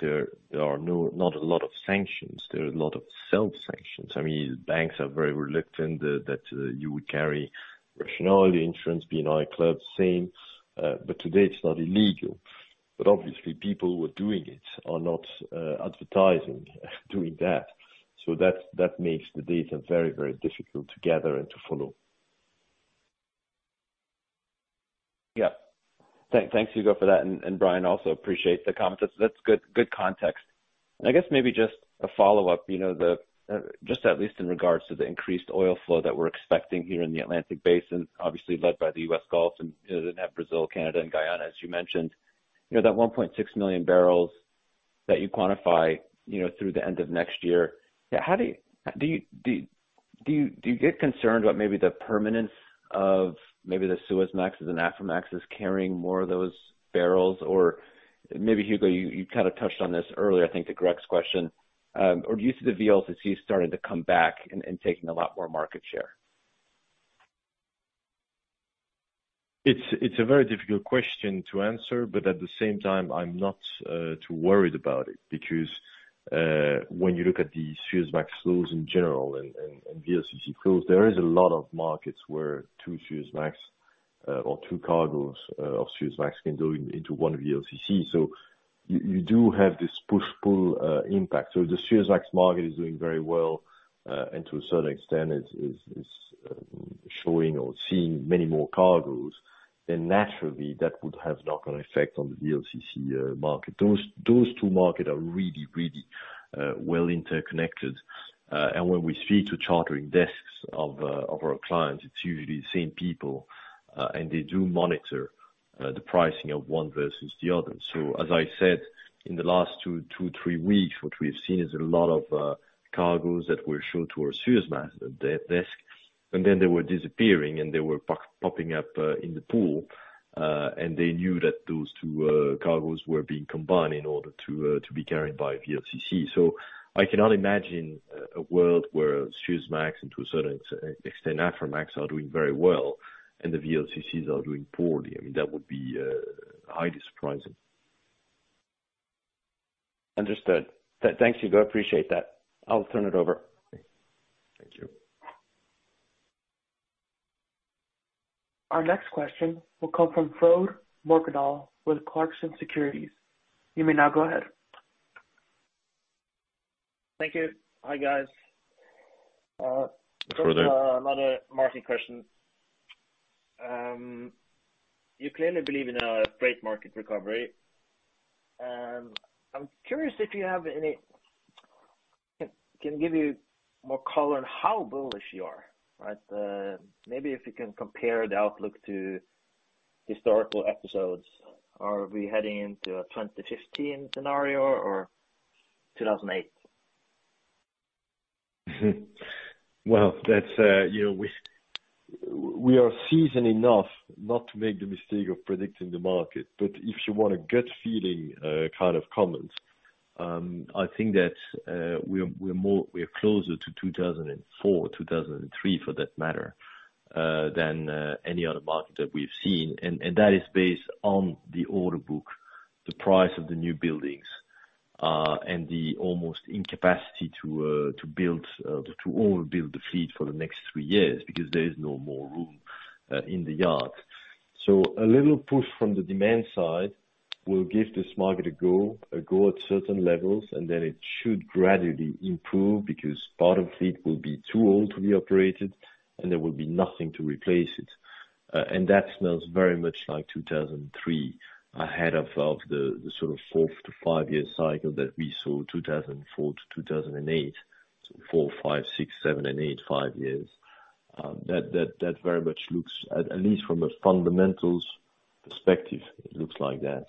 there are not a lot of sanctions. There are a lot of self-sanctions. I mean, banks are very reluctant that you would carry liability insurance, P&I clubs, same. Today it's not illegal. Obviously people who are doing it are not advertising doing that. That makes the data very, very difficult to gather and to follow. Yeah. Thank Hugo for that, and Brian, also appreciate the comment. That's good context. I guess maybe just a follow-up, you know, just at least in regards to the increased oil flow that we're expecting here in the Atlantic Basin, obviously led by the U.S. Gulf and, you know, then have Brazil, Canada, and Guyana, as you mentioned. You know, that 1.6 million barrels that you quantify, you know, through the end of next year, yeah, how do you get concerned about maybe the permanence of maybe the Suezmaxes and Aframaxes carrying more of those barrels? Or maybe Hugo, you kinda touched on this earlier, I think to Greg's question. Or do you see the VLCCs starting to come back and taking a lot more market share? It's a very difficult question to answer, but at the same time, I'm not too worried about it because when you look at the Suezmax flows in general and VLCC flows, there is a lot of markets where two Suezmax or two cargos of Suezmax can go into one VLCC. You do have this push-pull impact. The Suezmax market is doing very well, and to a certain extent is showing or seeing many more cargos. Naturally, that would have knock-on effect on the VLCC market. Those two markets are really well interconnected. When we speak to chartering desks of our clients, it's usually the same people, and they do monitor the pricing of one versus the other. As I said, in the last two or three weeks, what we've seen is a lot of cargos that were shown towards Suezmax desk, and then they were disappearing, and they were popping up in the pool. They knew that those two cargos were being combined in order to be carried by VLCC. I cannot imagine a world where Suezmax, and to a certain extent, Aframax are doing very well and the VLCCs are doing poorly. I mean, that would be highly surprising. Understood. Thanks, Hugo. I appreciate that. I'll turn it over. Thank you. Our next question will come from Frode Mørkedal with Clarksons Securities. You may now go ahead. Thank you. Hi, guys. Frode. This is another market question. You clearly believe in a great market recovery. I'm curious if you can give more color on how bullish you are, right? Maybe if you can compare the outlook to historical episodes. Are we heading into a 2015 scenario or 2008? Well, that's, you know, we are seasoned enough not to make the mistake of predicting the market. If you want a gut feeling, kind of comment, I think that, we are closer to 2004, 2003 for that matter, than any other market that we've seen. That is based on the order book, the price of the new buildings, and the almost incapacity to build, to overbuild the fleet for the next three years because there is no more room in the yard. A little push from the demand side will give this market a go at certain levels, and then it should gradually improve because part of fleet will be too old to be operated, and there will be nothing to replace it. That smells very much like 2003, ahead of the sort of four to five-year cycle that we saw 2004-2008. Four, five, six, seven, and eight, five years. That very much looks at least from a fundamentals perspective, it looks like that.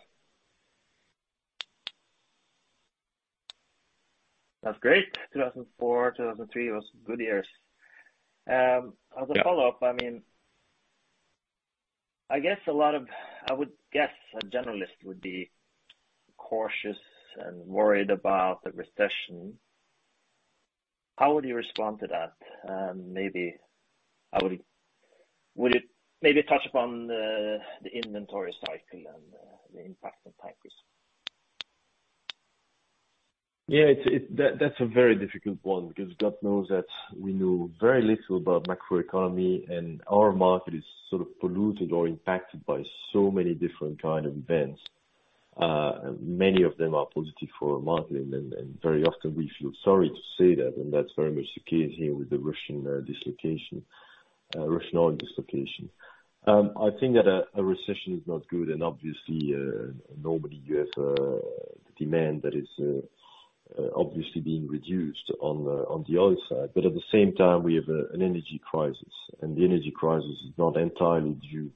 That's great. 2004, 2003 was good years. As a follow-up, I mean, I would guess a generalist would be cautious and worried about the recession. How would you respond to that? Maybe would it maybe touch upon the inventory cycle and the impact on tankers? Yeah, it's a very difficult one because God knows that we know very little about macroeconomy, and our market is sort of polluted or impacted by so many different kind of events. Many of them are positive for our market, and very often we feel sorry to say that, and that's very much the case here with the Russian dislocation, Russian oil dislocation. I think that a recession is not good and obviously, normally you have the demand that is obviously being reduced on the oil side. At the same time, we have an energy crisis, and the energy crisis is not entirely due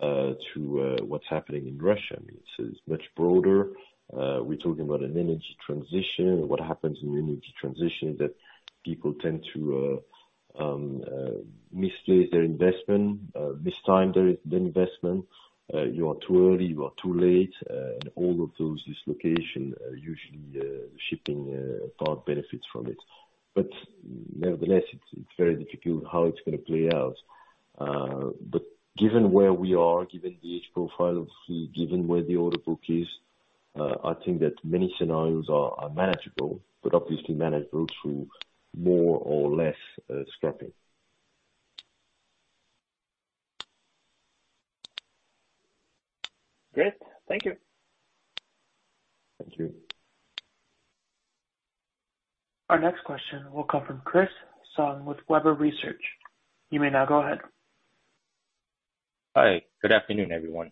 to what's happening in Russia. I mean, it's much broader. We're talking about an energy transition. What happens in an energy transition is that people tend to misplace their investment, mistime their investment. You are too early, you are too late. All of those dislocations usually shipping partly benefits from it. Nevertheless, it's very difficult how it's gonna play out. Given where we are, given the age profile of fleet, given where the order book is, I think that many scenarios are manageable, but obviously manageable through more or less scrapping. Great. Thank you. Thank you. Our next question will come from Chris Tsung with Webber Research. You may now go ahead. Hi, good afternoon everyone.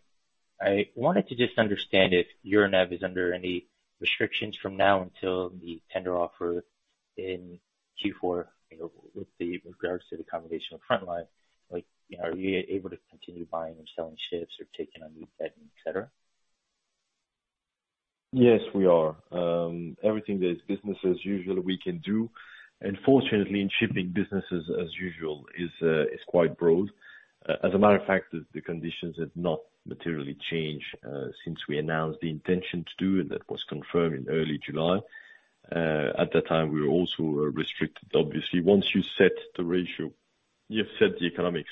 I wanted to just understand if Euronav is under any restrictions from now until the tender offer in Q4, you know, with regard to the combination with Frontline. Like, you know, are you able to continue buying or selling ships or taking on new debt, et cetera? Yes, we are. Everything that is business as usual we can do. Fortunately, in shipping, business as usual is quite broad. As a matter of fact, the conditions have not materially changed since we announced the intention to do, and that was confirmed in early July. At that time, we were also restricted, obviously. Once you set the ratio, you have set the economics,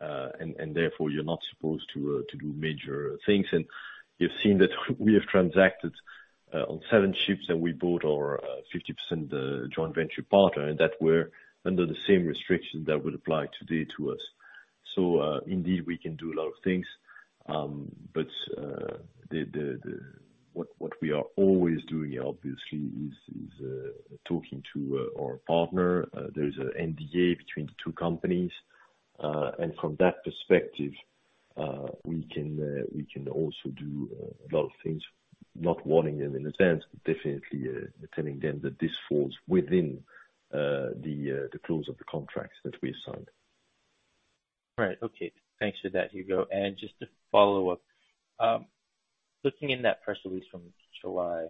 and therefore you're not supposed to do major things. You've seen that we have transacted on seven ships that we bought out our 50% joint venture partner, and that we're under the same restrictions that would apply today to us. Indeed we can do a lot of things. What we are always doing, obviously, is talking to our partner. There is a NDA between the two companies. From that perspective, we can also do a lot of things, not warning them in a sense, but definitely telling them that this falls within the clause of the contracts that we signed. Right. Okay. Thanks for that, Hugo. Just to follow up, looking in that press release from July,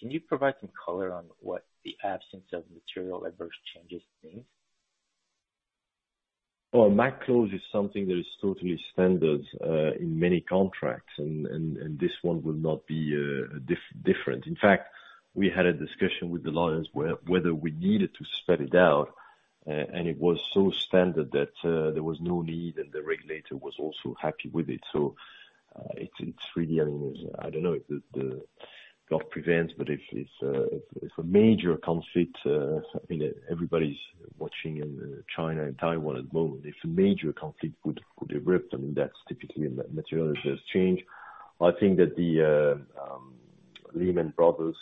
can you provide some color on what the absence of material adverse changes means? Oh, MAC clause is something that is totally standard in many contracts, and this one will not be different. In fact, we had a discussion with the lawyers whether we needed to spell it out, and it was so standard that there was no need, and the regulator was also happy with it. It's really, I mean, I don't know if God forbid, but if a major conflict, I mean, everybody's watching in China and Taiwan at the moment. If a major conflict would erupt, I mean, that's typically a material adverse change. I think that the Lehman Brothers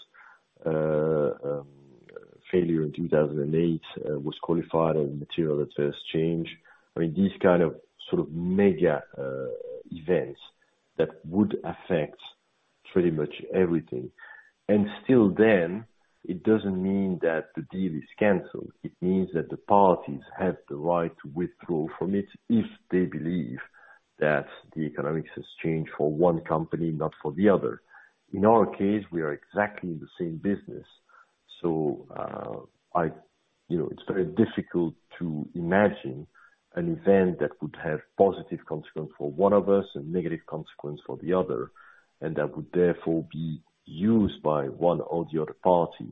failure in 2008 was qualified as a material adverse change. I mean, these kind of sort of mega events that would affect pretty much everything. Still then, it doesn't mean that the deal is canceled. It means that the parties have the right to withdraw from it if they believe that the economics has changed for one company, not for the other. In our case, we are exactly in the same business. I, you know, it's very difficult to imagine an event that would have positive consequence for one of us and negative consequence for the other, and that would therefore be used by one or the other party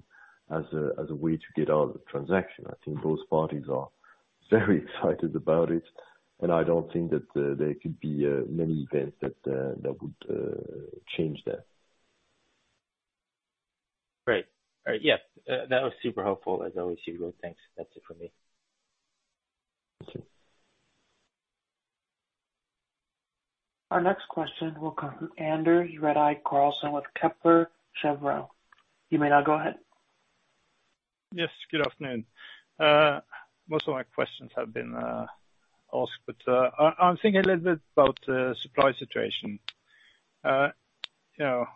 as a way to get out of the transaction. I think both parties are very excited about it, and I don't think that there could be many events that would change that. Great. Yes, that was super helpful. As always, Hugo, thanks. That's it for me. Thank you. Our next question will come from Anders Redigh Karlsen with Kepler Cheuvreux. You may now go ahead. Yes, good afternoon. Most of my questions have been asked, but I'm thinking a little bit about the supply situation. You know,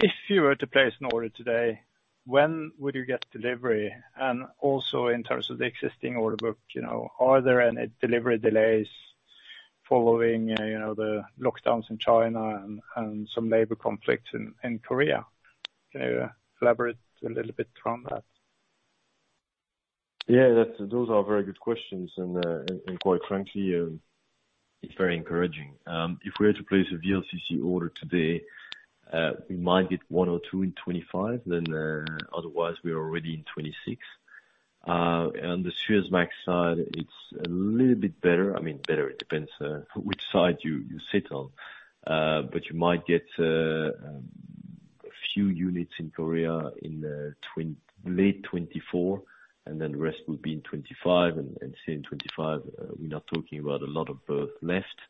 if you were to place an order today, when would you get delivery? And also in terms of the existing order book, you know, are there any delivery delays following the lockdowns in China and some labor conflicts in Korea? Can you elaborate a little bit around that? Yeah, those are very good questions, and quite frankly, it's very encouraging. If we were to place a VLCC order today, we might get one or two in 2025, then otherwise we're already in 2026. The Suezmax side, it's a little bit better. I mean, better, it depends on which side you sit on. You might get a few units in Korea in late 2024, and then the rest will be in 2025. Say in 2025, we're not talking about a lot of berth left.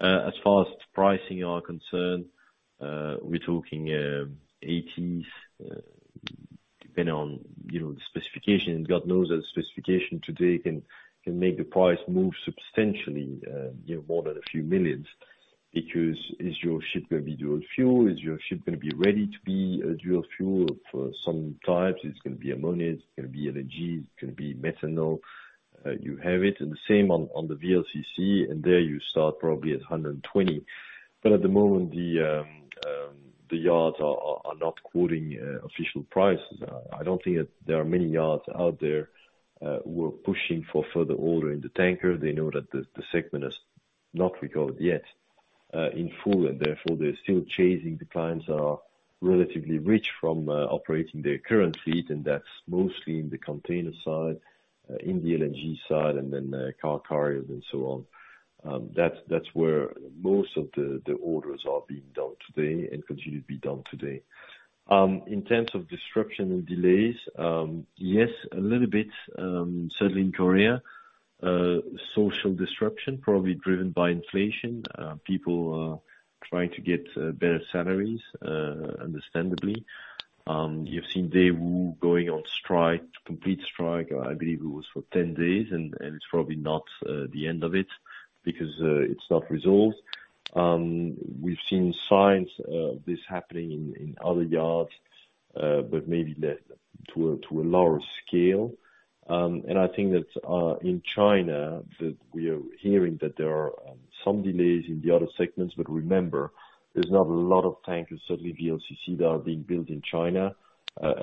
As far as pricing are concerned, we're talking $80s, depending on, you know, the specification. God knows that specification today can make the price move substantially, you know, more than a few millions. Because is your ship gonna be dual fuel? Is your ship gonna be ready to be a dual fuel for some types? It's gonna be ammonia. It's gonna be LNG. It's gonna be methanol. You have it. And the same on the VLCC, and there you start probably at $120. But at the moment the yards are not quoting official prices. I don't think that there are many yards out there who are pushing for further order in the tanker. They know that the segment has not recovered yet in full, and therefore they're still chasing the clients that are relatively rich from operating their current fleet, and that's mostly in the container side in the LNG side, and then the car carriers and so on. That's where most of the orders are being done today and continue to be done today. In terms of disruption and delays, yes, a little bit, certainly in Korea. Social disruption, probably driven by inflation. People are trying to get better salaries, understandably. You've seen Daewoo going on strike, complete strike. I believe it was for 10 days, and it's probably not the end of it because it's not resolved. We've seen signs of this happening in other yards, but maybe to a lower scale. I think that in China that we are hearing that there are some delays in the other segments. Remember, there's not a lot of tankers, certainly VLCC, that are being built in China,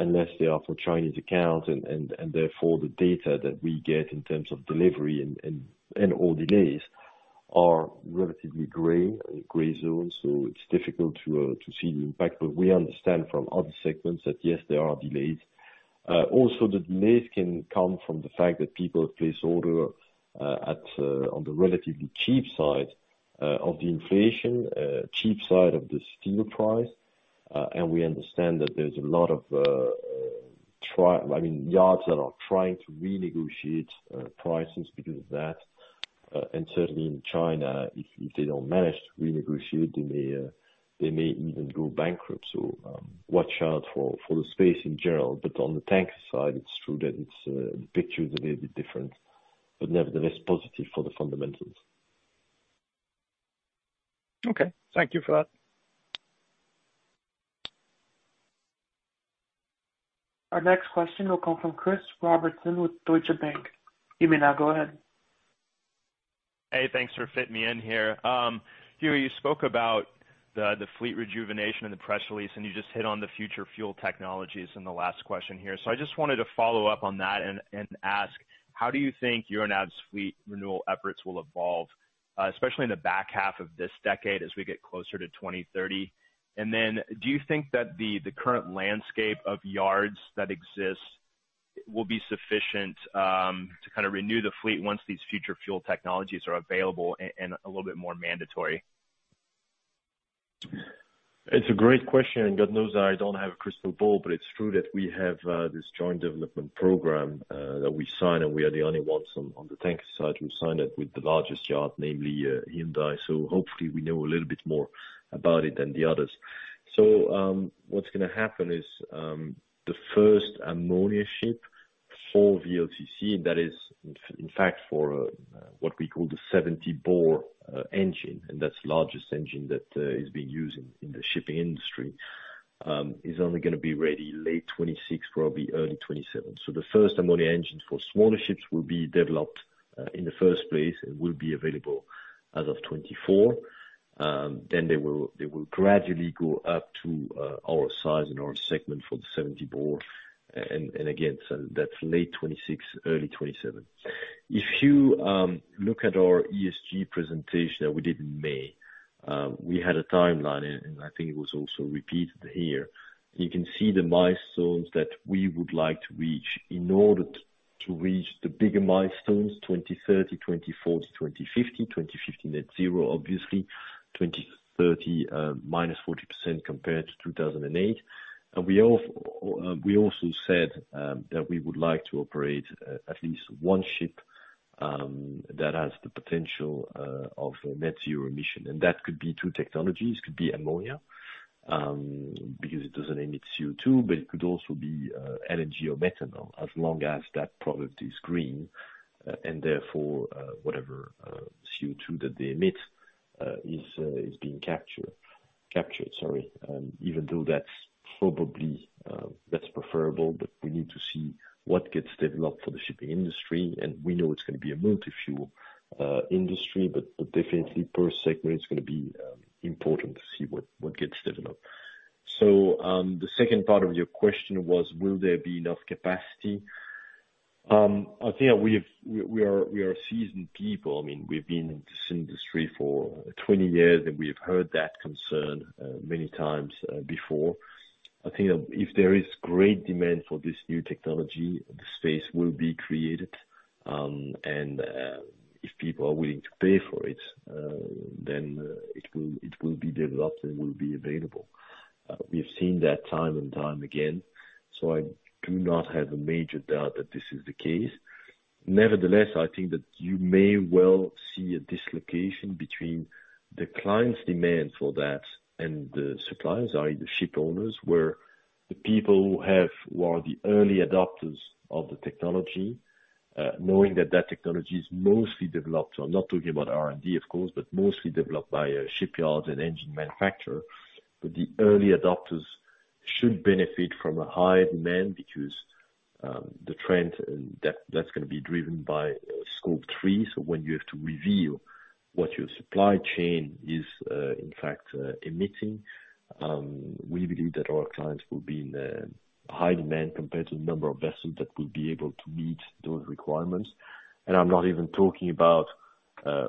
unless they are for Chinese accounts. Therefore, the data that we get in terms of delivery and all delays are relatively gray zone, so it's difficult to see the impact. We understand from other segments that yes, there are delays. Also the delays can come from the fact that people place order at on the relatively cheap side of the inflation cheap side of the steel price. We understand that there's a lot of, I mean, yards that are trying to renegotiate prices because of that. Certainly in China if they don't manage to renegotiate, they may even go bankrupt. Watch out for the space in general. On the tank side, it's true that the picture is a little bit different, but nevertheless positive for the fundamentals. Okay, thank you for that. Our next question will come from Chris Robertson with Deutsche Bank. You may now go ahead. Hey, thanks for fitting me in here. Hugo, you spoke about the fleet rejuvenation in the press release, and you just hit on the future fuel technologies in the last question here. I just wanted to follow up on that and ask how do you think Euronav's fleet renewal efforts will evolve, especially in the back half of this decade as we get closer to 2030? And then do you think that the current landscape of yards that exist will be sufficient to kinda renew the fleet once these future fuel technologies are available and a little bit more mandatory? It's a great question, and God knows I don't have a crystal ball, but it's true that we have this joint development program that we sign, and we are the only ones on the tanker side who sign it with the largest yard, namely, Hyundai. Hopefully we know a little bit more about it than the others. What's gonna happen is the first ammonia ship for VLCC, that is in fact for what we call the 7S80 bore engine, and that's the largest engine that is being used in the shipping industry is only gonna be ready late 2026, probably early 2027. The first ammonia engine for smaller ships will be developed in the first place and will be available as of 2024. They will gradually go up to our size and our segment for the 7S80 bore. That's late 2026, early 2027. If you look at our ESG presentation that we did in May, we had a timeline, and I think it was also repeated here. You can see the milestones that we would like to reach in order to reach the bigger milestones, 2030, 2040, 2050. 2050 net zero obviously. 2030, minus 40% compared to 2008. We also said that we would like to operate at least one ship that has the potential of a net zero emission. That could be two technologies. It could be ammonia, because it doesn't emit CO2, but it could also be LNG or methanol, as long as that product is green, and therefore, whatever CO2 that they emit is being captured. Even though that's probably preferable, but we need to see what gets developed for the shipping industry, and we know it's gonna be a multi-fuel industry, but definitely per segment it's gonna be important to see what gets developed. The second part of your question was will there be enough capacity? I think we are seasoned people. I mean, we've been in this industry for 20 years, and we have heard that concern many times before. I think that if there is great demand for this new technology, the space will be created, and if people are willing to pay for it, then it will be developed and it will be available. We've seen that time and time again, so I do not have a major doubt that this is the case. Nevertheless, I think that you may well see a dislocation between the clients' demand for that and the suppliers, i.e. the ship owners, where the people who are the early adopters of the technology, knowing that that technology is mostly developed, so I'm not talking about R&D of course, but mostly developed by a shipyard and engine manufacturer. The early adopters should benefit from a high demand because the trend that's gonna be driven by Scope 3. When you have to reveal what your supply chain is, in fact, emitting, we believe that our clients will be in high demand compared to the number of vessels that will be able to meet those requirements. I'm not even talking about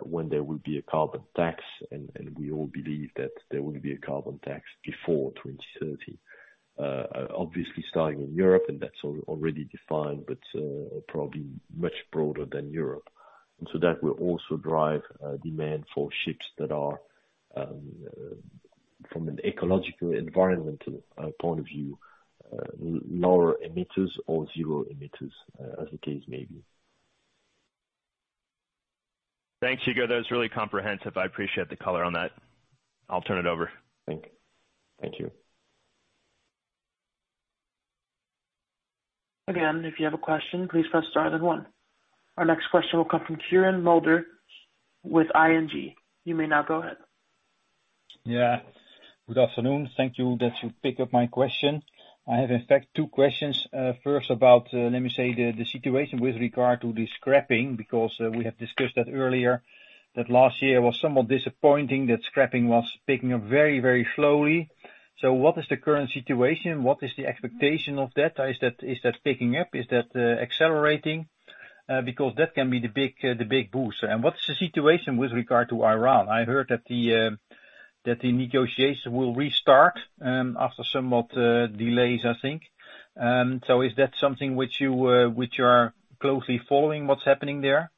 when there will be a carbon tax, and we all believe that there will be a carbon tax before 2030. Obviously starting in Europe, and that's already defined, but probably much broader than Europe. That will also drive demand for ships that are from an ecological, environmental point of view, lower emitters or zero emitters as the case may be. Thanks, Hugo. That was really comprehensive. I appreciate the color on that. I'll turn it over. Thank you. Again, if you have a question, please press star then one. Our next question will come from Quirijn Mulder with ING. You may now go ahead. Yeah. Good afternoon. Thank you that you pick up my question. I have in fact two questions. First about, let me say the situation with regard to the scrapping, because we have discussed that earlier, that last year was somewhat disappointing, that scrapping was picking up very, very slowly. What is the current situation? What is the expectation of that? Is that picking up? Is that accelerating? Because that can be the big boost. What's the situation with regard to Iran? I heard that the negotiation will restart after some delays, I think. Is that something which you are closely following what's happening there?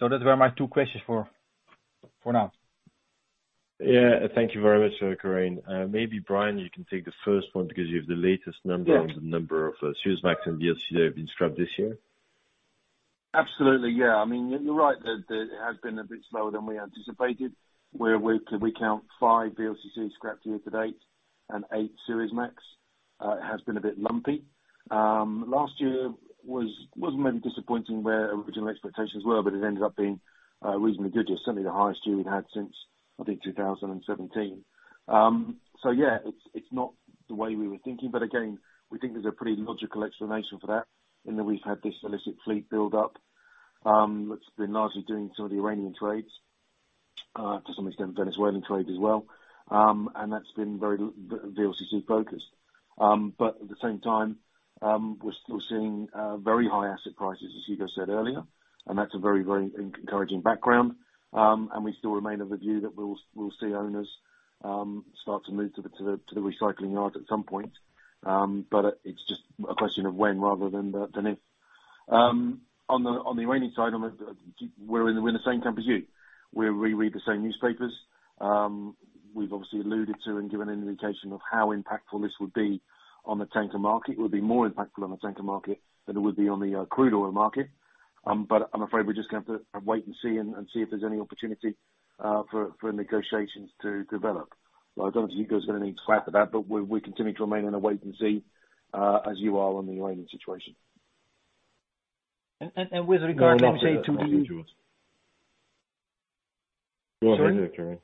That were my two questions for now. Yeah. Thank you very much, Quirijn. Maybe Brian, you can take the first one because you have the latest number. Yeah. On the number of Suezmax and VLCC that have been scrapped this year. Absolutely, yeah. I mean, you're right. It has been a bit slower than we anticipated, where we count five VLCC scrapped year to date an eight 8 Suezmax. It has been a bit lumpy. Last year wasn't maybe disappointing where original expectations were, but it ended up being reasonably good. Certainly the highest year we've had since, I think, 2017. Yeah, it's not the way we were thinking. Again, we think there's a pretty logical explanation for that, in that we've had this illicit fleet build up that's been largely doing some of the Iranian trades, to some extent Venezuelan trade as well. That's been very VLCC focused. At the same time, we're still seeing very high asset prices, as Hugo said earlier. That's a very encouraging background. We still remain of the view that we'll see owners start to move to the recycling yard at some point. It's just a question of when rather than if. On the Iranian side, we're in the same camp as you. We read the same newspapers. We've obviously alluded to and given an indication of how impactful this would be on the tanker market, would be more impactful on the tanker market than it would be on the crude oil market. I'm afraid we're just gonna have to wait and see if there's any opportunity for negotiations to develop. I don't think Hugo's gonna need to scrap for that, but we continue to remain in a wait and see, as you are on the Iranian situation. With regard maybe to the. No, no, that's not to us. Go ahead. Sorry.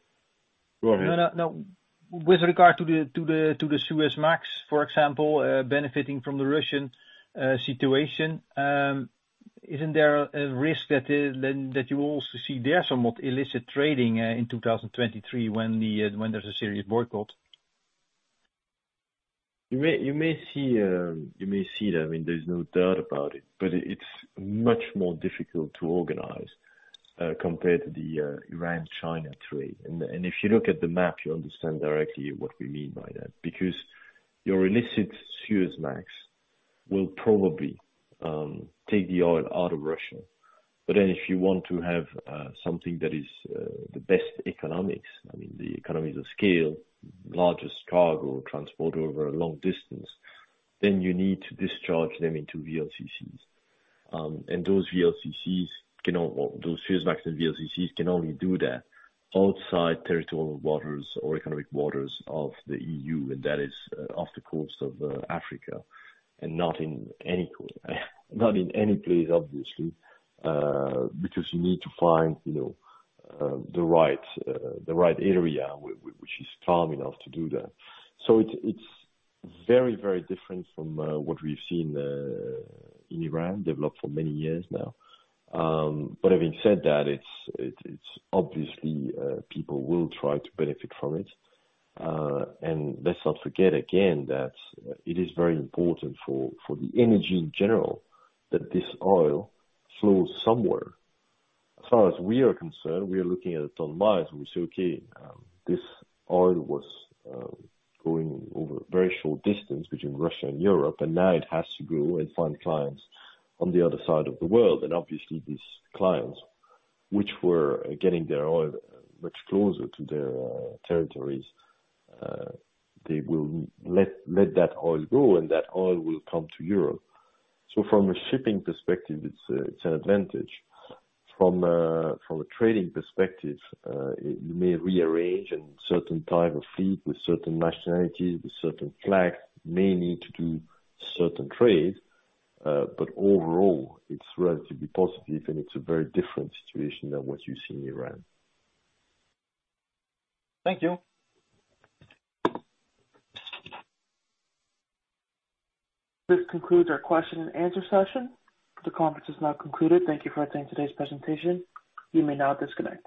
Go ahead. No, no. With regard to the Suezmax, for example, benefiting from the Russian situation, isn't there a risk that you also see there somewhat illicit trading in 2023 when there's a serious boycott? You may see that, I mean, there's no doubt about it, but it's much more difficult to organize compared to the Iran-China trade. If you look at the map, you understand directly what we mean by that. Because your illicit Suezmax will probably take the oil out of Russia. If you want to have something that is the best economics, I mean, the economies of scale, larger cargo transport over a long distance, then you need to discharge them into VLCCs. Those VLCCs or those Suezmax and VLCCs can only do that outside territorial waters or economic waters of the EU, and that is off the coast of Africa and not in any place, obviously, because you need to find, you know, the right area which is calm enough to do that. It's very different from what we've seen in Iran develop for many years now. Having said that, it's obviously people will try to benefit from it. Let's not forget again that it is very important for the energy in general, that this oil flows somewhere. As far as we are concerned, we are looking at it on miles and we say, okay, this oil was going over a very short distance between Russia and Europe, and now it has to go and find clients on the other side of the world. Obviously these clients which were getting their oil much closer to their territories, they will let that oil go, and that oil will come to Europe. From a shipping perspective, it's an advantage. From a trading perspective, you may rearrange and certain type of fleet with certain nationalities, with certain flags may need to do certain trade. Overall, it's relatively positive, and it's a very different situation than what you see in Iran. Thank you. This concludes our question and answer session. The conference is now concluded. Thank you for attending today's presentation. You may now disconnect.